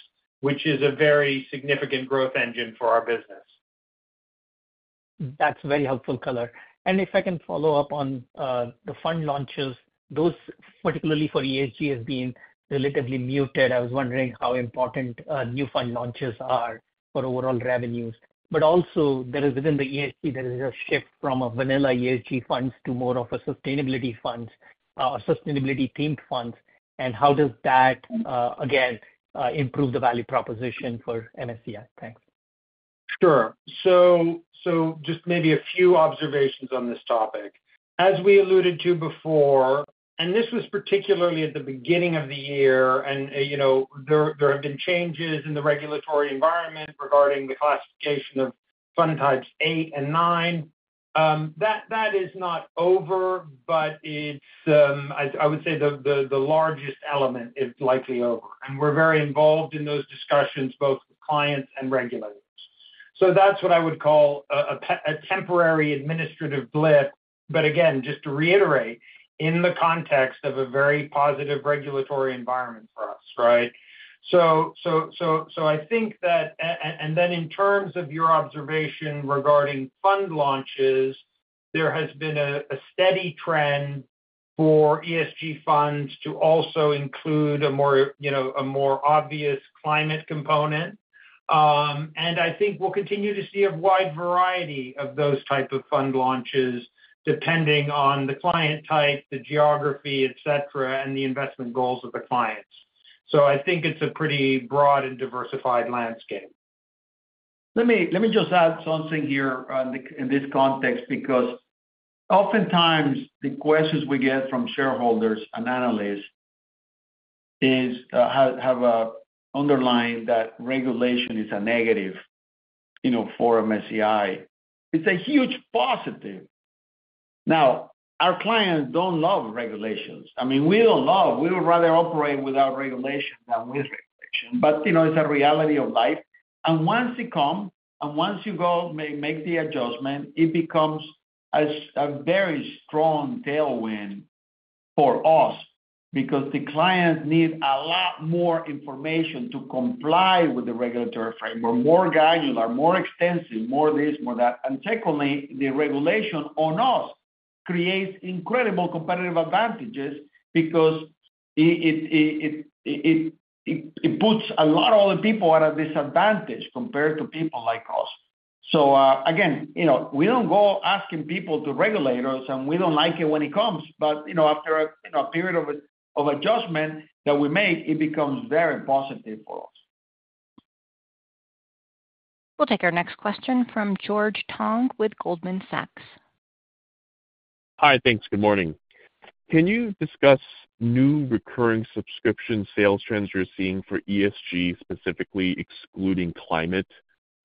which is a very significant growth engine for our business.
That's very helpful color. If I can follow up on the fund launches, those, particularly for ESG, has been relatively muted. I was wondering how important new fund launches are for overall revenues. There is, within the ESG, there is a shift from a vanilla ESG funds to more of a sustainability funds, sustainability-themed funds. How does that, again, improve the value proposition for MSCI? Thanks.
Sure. Just maybe a few observations on this topic. As we alluded to before, this was particularly at the beginning of the year, you know, there have been changes in the regulatory environment regarding the classification of fund types 8 and 9. That is not over, but it's, I would say the largest element is likely over, and we're very involved in those discussions, both with clients and regulators. That's what I would call a temporary administrative blip, but again, just to reiterate, in the context of a very positive regulatory environment for us, right? I think that, Then in terms of your observation regarding fund launches, there has been a steady trend for ESG funds to also include a more, you know, a more obvious climate component. I think we'll continue to see a wide variety of those type of fund launches, depending on the client type, the geography, et cetera, and the investment goals of the clients. I think it's a pretty broad and diversified landscape.
Let me just add something here in this context, because oftentimes, the questions we get from shareholders and analysts is have underlined that regulation is a negative, you know, for MSCI. It's a huge positive. Our clients don't love regulations. I mean, we would rather operate without regulation than with regulation, you know, it's a reality of life. Once you make the adjustment, it becomes a very strong tailwind for us because the clients need a lot more information to comply with the regulatory framework. More guidance are more extensive, more this, more that. Secondly, the regulation on us creates incredible competitive advantages because it puts a lot of other people at a disadvantage compared to people like us. Again, you know, we don't go asking people to regulate us, and we don't like it when it comes, but, you know, after a, you know, a period of adjustment that we make, it becomes very positive for us.
We'll take our next question from George Tong with Goldman Sachs.
Hi, thanks. Good morning. Can you discuss new recurring subscription sales trends you're seeing for ESG, specifically excluding climate,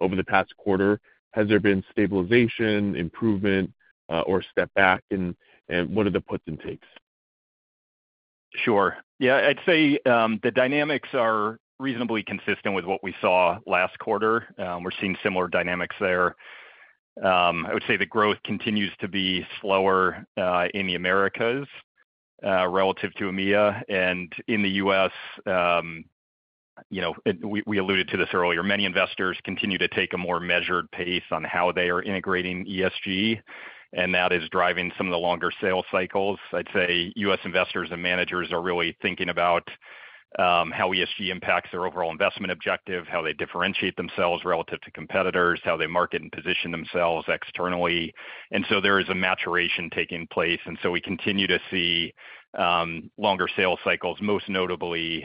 over the past quarter? Has there been stabilization, improvement, or step back, and what are the puts and takes?
Sure. Yeah, I'd say, the dynamics are reasonably consistent with what we saw last quarter. We're seeing similar dynamics there. I would say the growth continues to be slower, in the Americas, relative to EMEA. In the US, you know, We alluded to this earlier, many investors continue to take a more measured pace on how they are integrating ESG, and that is driving some of the longer sales cycles. I'd say US investors and managers are really thinking about, how ESG impacts their overall investment objective, how they differentiate themselves relative to competitors, how they market and position themselves externally. There is a maturation taking place, and so we continue to see, longer sales cycles, most notably,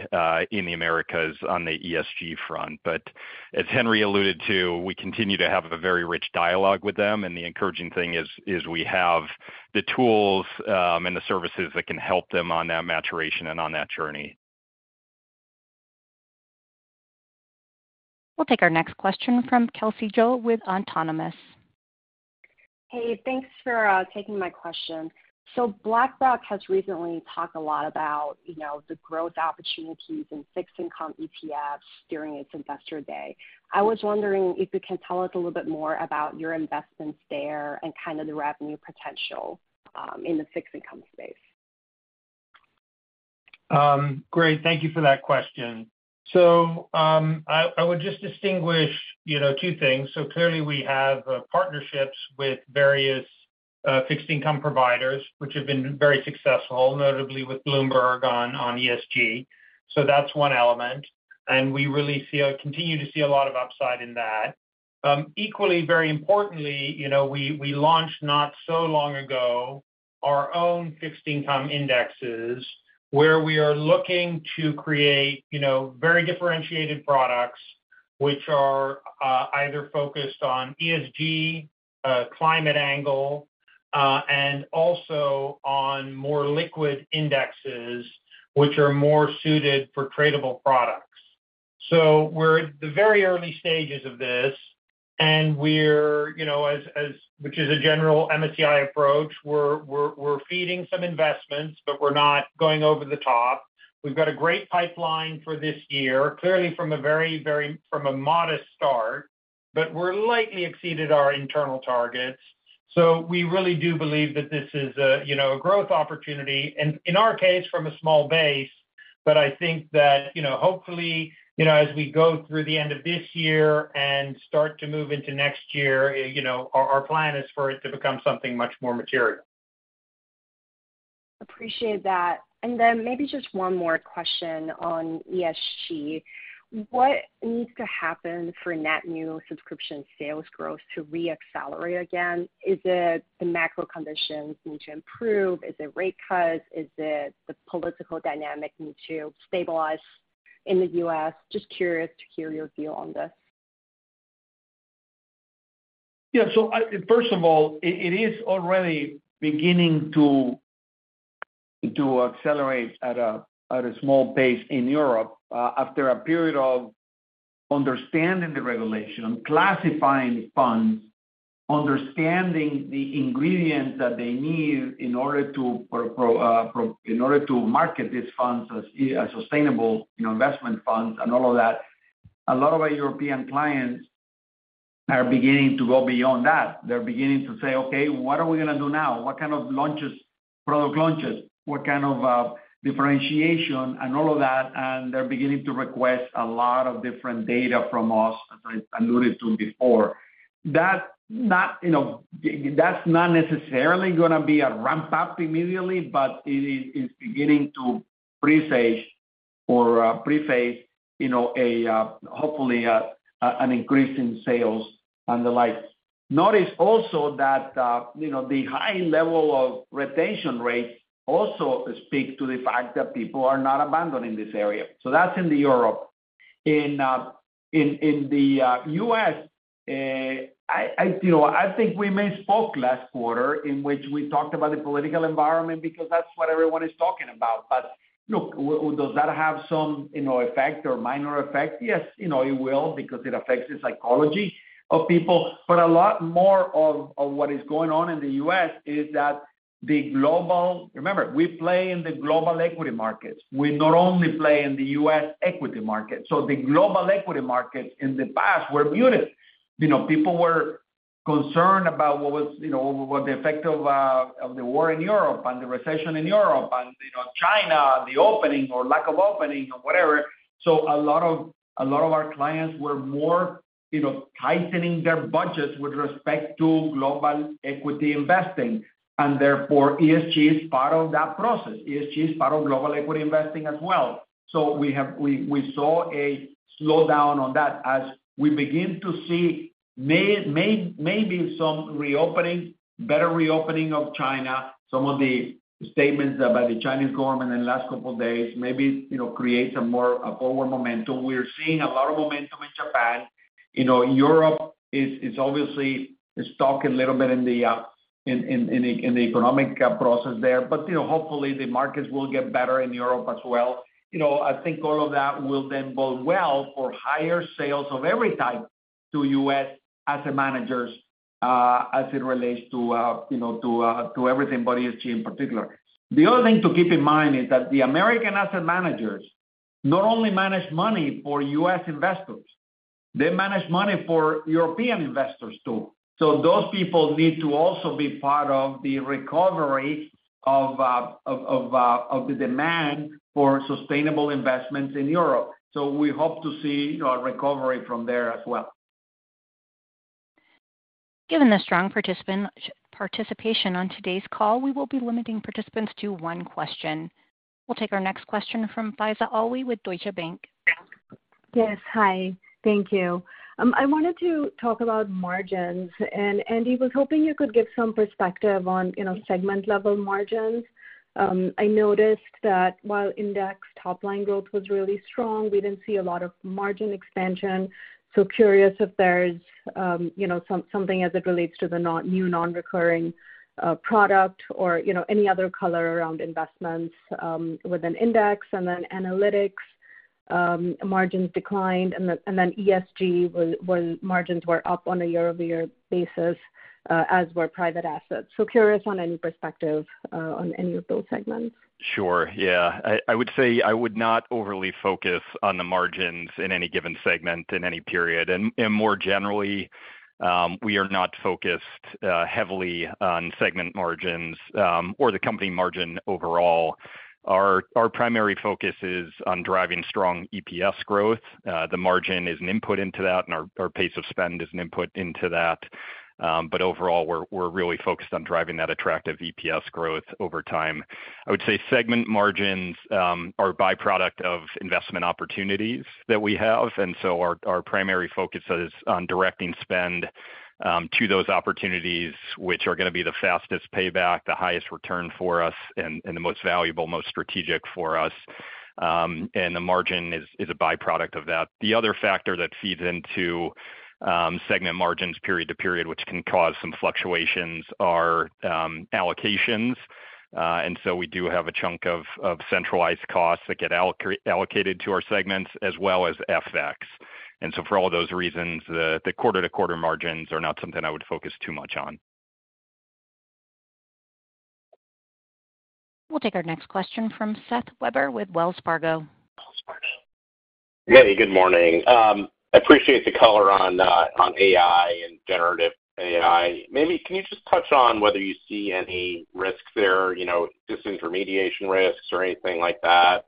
in the Americas on the ESG front. As Henry alluded to, we continue to have a very rich dialogue with them, and the encouraging thing is, we have the tools, and the services that can help them on that maturation and on that journey.
We'll take our next question from Kelsey Zhu with Autonomous.
Hey, thanks for taking my question. BlackRock has recently talked a lot about, you know, the growth opportunities in fixed income ETFs during its investor day. I was wondering if you can tell us a little bit more about your investments there and kind of the revenue potential in the fixed income space.
Great, thank you for that question. I would just distinguish, you know, two things. Clearly we have partnerships with various fixed income providers, which have been very successful, notably with Bloomberg on ESG. That's one element, and we really continue to see a lot of upside in that. Equally, very importantly, you know, we launched, not so long ago, our own fixed income indexes, where we are looking to create, you know, very differentiated products which are either focused on ESG, climate angle, and also on more liquid indexes, which are more suited for tradable products. We're at the very early stages of this, and we're, you know, which is a general MSCI approach, we're feeding some investments, but we're not going over the top. We've got a great pipeline for this year, clearly from a modest start, we're lightly exceeded our internal targets. We really do believe that this is a, you know, a growth opportunity, and in our case, from a small base. I think that, you know, hopefully, you know, as we go through the end of this year and start to move into next year, you know, our plan is for it to become something much more material.
Appreciate that. Maybe just one more question on ESG. What needs to happen for net new subscription sales growth to re-accelerate again? Is it the macro conditions need to improve? Is it rate cuts? Is it the political dynamic need to stabilize in the US? Just curious to hear your view on this.
I- first of all, it is already beginning to accelerate at a small pace in Europe, after a period of understanding the regulation, classifying funds, understanding the ingredients that they need in order to market these funds as sustainable, you know, investment funds and all of that. A lot of our European clients are beginning to go beyond that. They're beginning to say, "Okay, what are we gonna do now? What kind of launches, product launches? What kind of differentiation?" All of that, and they're beginning to request a lot of different data from us, as I alluded to before. That not, you know, that's not necessarily gonna be a ramp-up immediately, but it is beginning to presage or pre-phase, you know, a hopefully an increase in sales and the like. Notice also that, you know, the high level of retention rates also speak to the fact that people are not abandoning this area. That's in the Europe. In the US, I, you know, I think we may spoke last quarter in which we talked about the political environment, because that's what everyone is talking about. Look, does that have some, you know, effect or minor effect? Yes, you know, it will, because it affects the psychology of people. A lot more of what is going on in the US is that the global... Remember, we play in the global equity markets. We not only play in the US equity market. The global equity markets in the past were muted. You know, people were concerned about what was, you know, what the effect of the war in Europe and the recession in Europe and, you know, China, the opening or lack of opening or whatever. A lot of our clients were more, you know, tightening their budgets with respect to global equity investing, and therefore, ESG is part of that process. ESG is part of global equity investing as well. We saw a slowdown on that. As we begin to see maybe some reopening, better reopening of China, some of the statements by the Chinese government in the last couple of days, maybe, you know, create some more, a forward momentum. We're seeing a lot of momentum in Japan. You know, Europe is obviously stuck a little bit in the economic process there. You know, hopefully the markets will get better in Europe as well. You know, I think all of that will then bode well for higher sales of every type to US asset managers, as it relates to, you know, to everything but ESG in particular. The other thing to keep in mind is that the American asset managers not only manage money for US investors, they manage money for European investors, too. Those people need to also be part of the recovery of the demand for sustainable investments in Europe. We hope to see a recovery from there as well.
Given the strong participation on today's call, we will be limiting participants to one question. We'll take our next question from Faiza Alwy with Deutsche Bank.
Yes. Hi, thank you. I wanted to talk about margins. Andy, was hoping you could give some perspective on, you know, segment-level margins. I noticed that while index top-line growth was really strong, we didn't see a lot of margin expansion. Curious if there's, you know, something as it relates to the non- new non-recurring product or, you know, any other color around investments within index. Analytics. Margins declined. ESG was margins were up on a year-over-year basis, as were private assets. Curious on any perspective on any of those segments.
Sure. Yeah. I would say I would not overly focus on the margins in any given segment, in any period. More generally, we are not focused heavily on segment margins or the company margin overall. Our primary focus is on driving strong EPS growth. The margin is an input into that, and our pace of spend is an input into that. Overall, we're really focused on driving that attractive EPS growth over time. I would say segment margins are a byproduct of investment opportunities that we have, our primary focus is on directing spend to those opportunities, which are gonna be the fastest payback, the highest return for us, and the most valuable, most strategic for us. The margin is a byproduct of that. The other factor that feeds into, segment margins period to period, which can cause some fluctuations, are, allocations. We do have a chunk of centralized costs that get allocated to our segments as well as FX. For all those reasons, the quarter-to-quarter margins are not something I would focus too much on.
We'll take our next question from Seth Weber with Wells Fargo.
Hey, good morning. I appreciate the color on AI and generative AI. Maybe can you just touch on whether you see any risks there, you know, disintermediation risks or anything like that?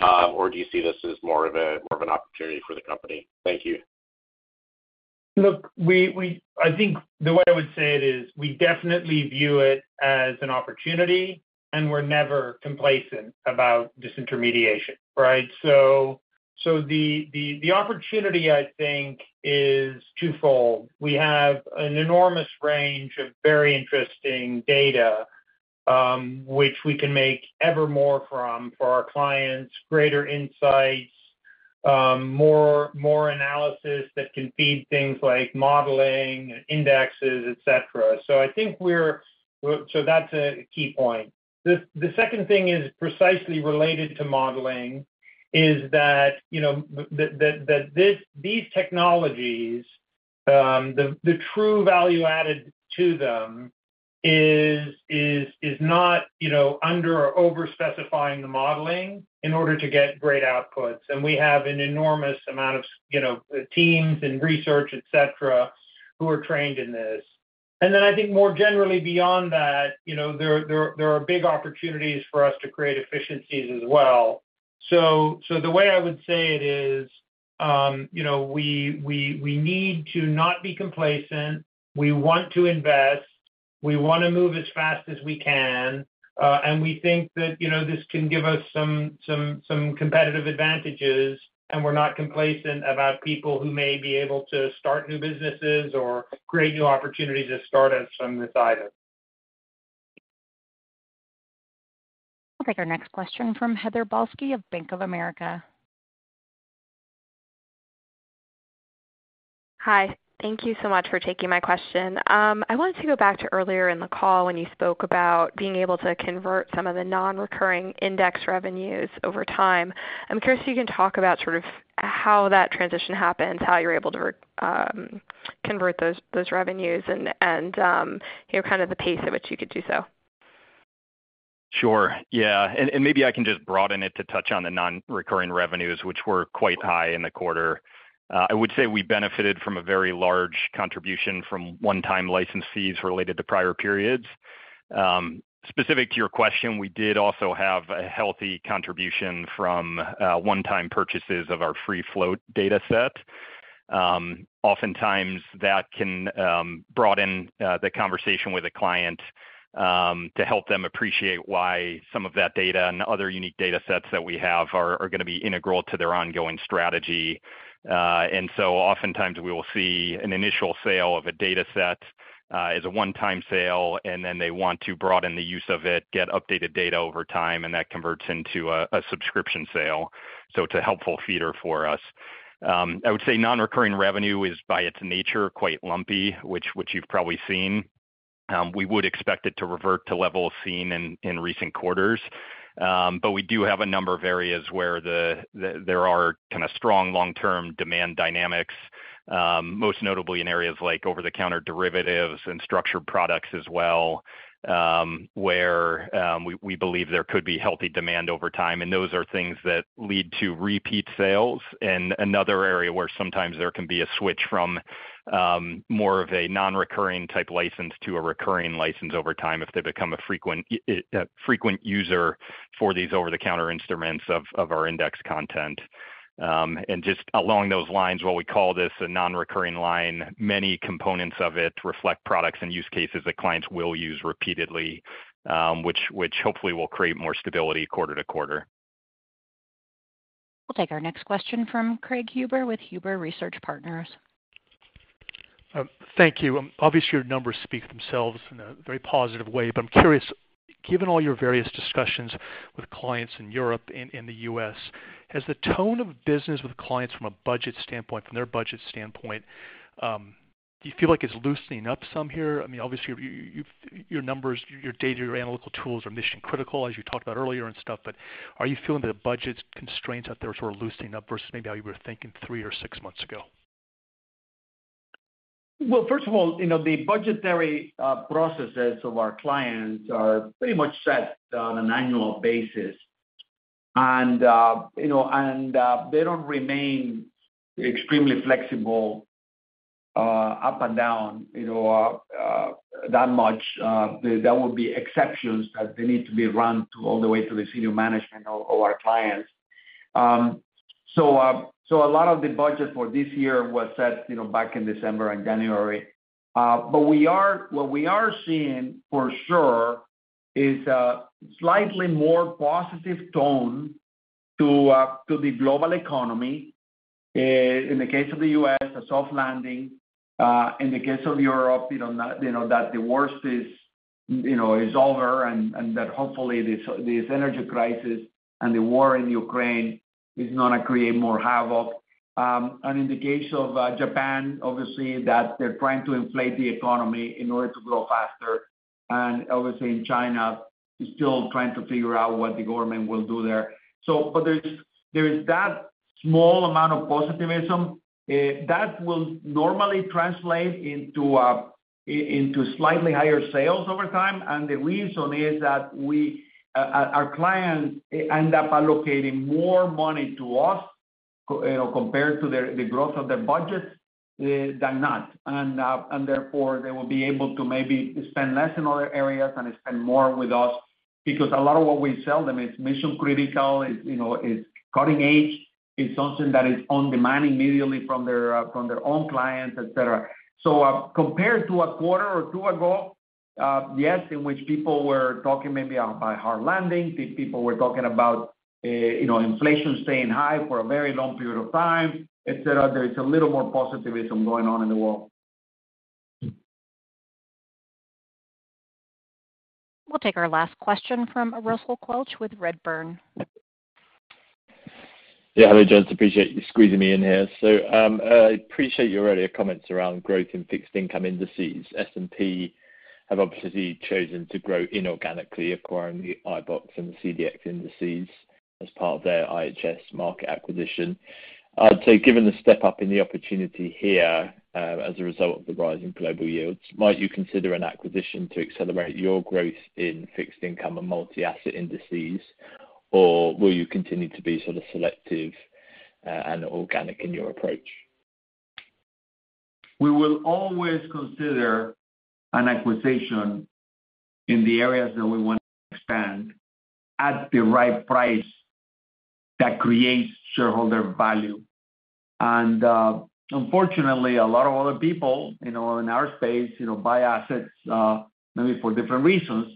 Do you see this as more of an opportunity for the company? Thank you.
Look, we I think the way I would say it is, we definitely view it as an opportunity, and we're never complacent about disintermediation, right? The opportunity, I think, is twofold. We have an enormous range of very interesting data, which we can make ever more from, for our clients, greater insights, more analysis that can feed things like modeling, indexes, et cetera. I think we're... That's a key point. The second thing is precisely related to modeling, is that, you know, the, that this, these technologies, the true value added to them is not, you know, under or over specifying the modeling in order to get great outputs. We have an enormous amount of, you know, teams and research, et cetera, who are trained in this. I think more generally beyond that, you know, there are big opportunities for us to create efficiencies as well. The way I would say it is, you know, we need to not be complacent. We want to invest, we wanna move as fast as we can, and we think that, you know, this can give us some competitive advantages, and we're not complacent about people who may be able to start new businesses or create new opportunities to start us from this either.
I'll take our next question from Heather Balsky of Bank of America.
Hi. Thank you so much for taking my question. I wanted to go back to earlier in the call when you spoke about being able to convert some of the non-recurring index revenues over time. I'm curious if you can talk about sort of how that transition happens, how you're able to convert those revenues and, you know, kind of the pace at which you could do so.
Sure. Yeah, and maybe I can just broaden it to touch on the non-recurring revenues, which were quite high in the quarter. I would say we benefited from a very large contribution from one-time licensees related to prior periods. Specific to your question, we did also have a healthy contribution from one-time purchases of our free float dataset. Oftentimes that can broaden the conversation with a client to help them appreciate why some of that data and other unique datasets that we have are gonna be integral to their ongoing strategy. Oftentimes we will see an initial sale of a dataset as a one-time sale, and then they want to broaden the use of it, get updated data over time, and that converts into a subscription sale. It's a helpful feeder for us. I would say non-recurring revenue is, by its nature, quite lumpy, which you've probably seen. We would expect it to revert to levels seen in recent quarters. But we do have a number of areas where there are kind of strong long-term demand dynamics, most notably in areas like over-the-counter derivatives and structured products as well, where we believe there could be healthy demand over time, and those are things that lead to repeat sales. Another area where sometimes there can be a switch from more of a non-recurring type license to a recurring license over time if they become a frequent user for these over-the-counter instruments of our index content. Just along those lines, while we call this a non-recurring line, many components of it reflect products and use cases that clients will use repeatedly, which hopefully will create more stability quarter to quarter.
We'll take our next question from Craig Huber with Huber Research Partners.
Thank you. Obviously, your numbers speak for themselves in a very positive way. I'm curious, given all your various discussions with clients in Europe and in the US, has the tone of business with clients from a budget standpoint, from their budget standpoint, Do you feel like it's loosening up some here? I mean, obviously, you, your numbers, your data, your analytical tools are mission-critical, as you talked about earlier and stuff, but are you feeling that the budget constraints out there are sort of loosening up versus maybe how you were thinking three or six months ago?
Well, first of all, you know, the budgetary processes of our clients are pretty much set on an annual basis. You know, and, they don't remain extremely flexible, up and down, you know, that much. There will be exceptions, that they need to be run to all the way to the senior management of our clients. So a lot of the budget for this year was set, you know, back in December and January. What we are seeing, for sure, is a slightly more positive tone to the global economy. In the case of the US, a soft landing. In the case of Europe, that the worst is over, and that hopefully this energy crisis and the war in Ukraine is not going to create more havoc. In the case of Japan, obviously, that they're trying to inflate the economy in order to grow faster. Obviously, in China, still trying to figure out what the government will do there. But there's that small amount of positivism that will normally translate into slightly higher sales over time. The reason is that we, our clients end up allocating more money to us compared to the growth of their budget than not. Therefore, they will be able to maybe spend less in other areas and spend more with us, because a lot of what we sell them is mission-critical, is, you know, is cutting edge. It's something that is on demand immediately from their, from their own clients, et cetera. Compared to a quarter or two ago, yes, in which people were talking maybe about a hard landing, these people were talking about, you know, inflation staying high for a very long period of time, et cetera. There's a little more positivism going on in the world.
Hmm.
We'll take our last question from Russell Quelch with Redburn.
Yeah. Hi, gents, appreciate you squeezing me in here. I appreciate your earlier comments around growth in fixed income indices. S&P have obviously chosen to grow inorganically, acquiring the iBoxx and the CDX indices as part of their IHS Markit acquisition. I'd say, given the step up in the opportunity here, as a result of the rise in global yields, might you consider an acquisition to accelerate your growth in fixed income and multi-asset indices? Will you continue to be sort of selective, and organic in your approach?
We will always consider an acquisition in the areas that we want to expand, at the right price, that creates shareholder value. Unfortunately, a lot of other people, you know, in our space, you know, buy assets, maybe for different reasons.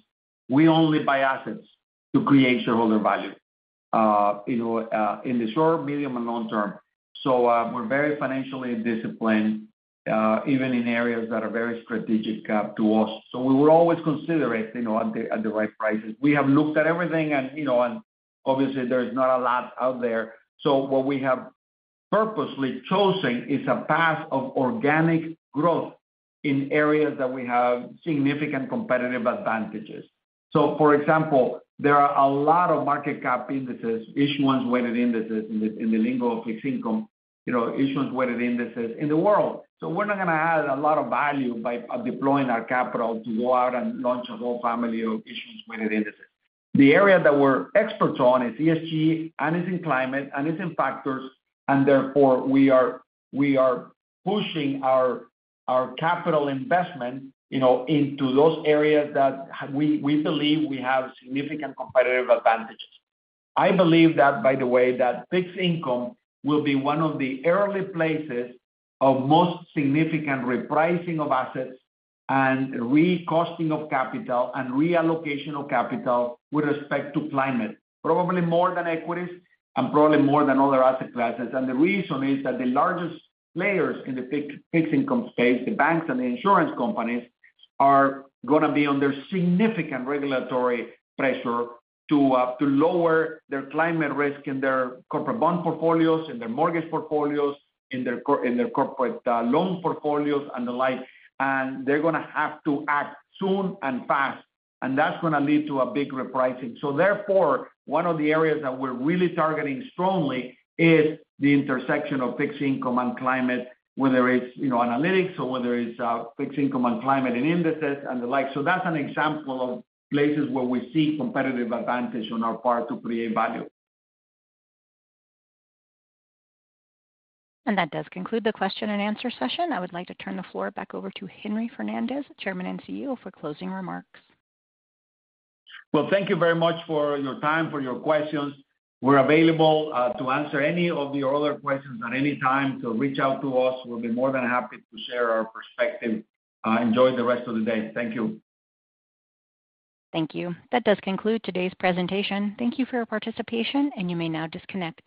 We only buy assets to create shareholder value, you know, in the short, medium, and long term. We're very financially disciplined, even in areas that are very strategic to us. We will always consider it, you know, at the right prices. We have looked at everything, you know, obviously there is not a lot out there. What we have purposely chosen is a path of organic growth in areas that we have significant competitive advantages. For example, there are a lot of market cap indices, issuance-weighted indices, in the lingo of fixed income, you know, issuance-weighted indices in the world. We're not going to add a lot of value by deploying our capital to go out and launch a whole family of issuance-weighted indices. The area that we're experts on is ESG, and it's in climate, and it's in factors, and therefore, we are pushing our capital investment, you know, into those areas that we believe we have significant competitive advantages. I believe that, by the way, that fixed income will be one of the early places of most significant repricing of assets and re-costing of capital and reallocation of capital with respect to climate, probably more than equities and probably more than other asset classes. The reason is that the largest players in the fixed income space, the banks and the insurance companies, are going to be under significant regulatory pressure to lower their climate risk in their corporate bond portfolios, in their mortgage portfolios, in their corporate, loan portfolios, and the like. They're going to have to act soon and fast, and that's going to lead to a big repricing. Therefore, one of the areas that we're really targeting strongly is the intersection of fixed income and climate, whether it's, you know, analytics or whether it's fixed income and climate and indices and the like. That's an example of places where we see competitive advantage on our part to create value.
That does conclude the question and answer session. I would like to turn the floor back over to Henry Fernandez, Chairman and CEO, for closing remarks.
Well, thank you very much for your time, for your questions. We're available to answer any of your other questions at any time. Reach out to us. We'll be more than happy to share our perspective. Enjoy the rest of the day. Thank you.
Thank you. That does conclude today's presentation. Thank you for your participation, and you may now disconnect.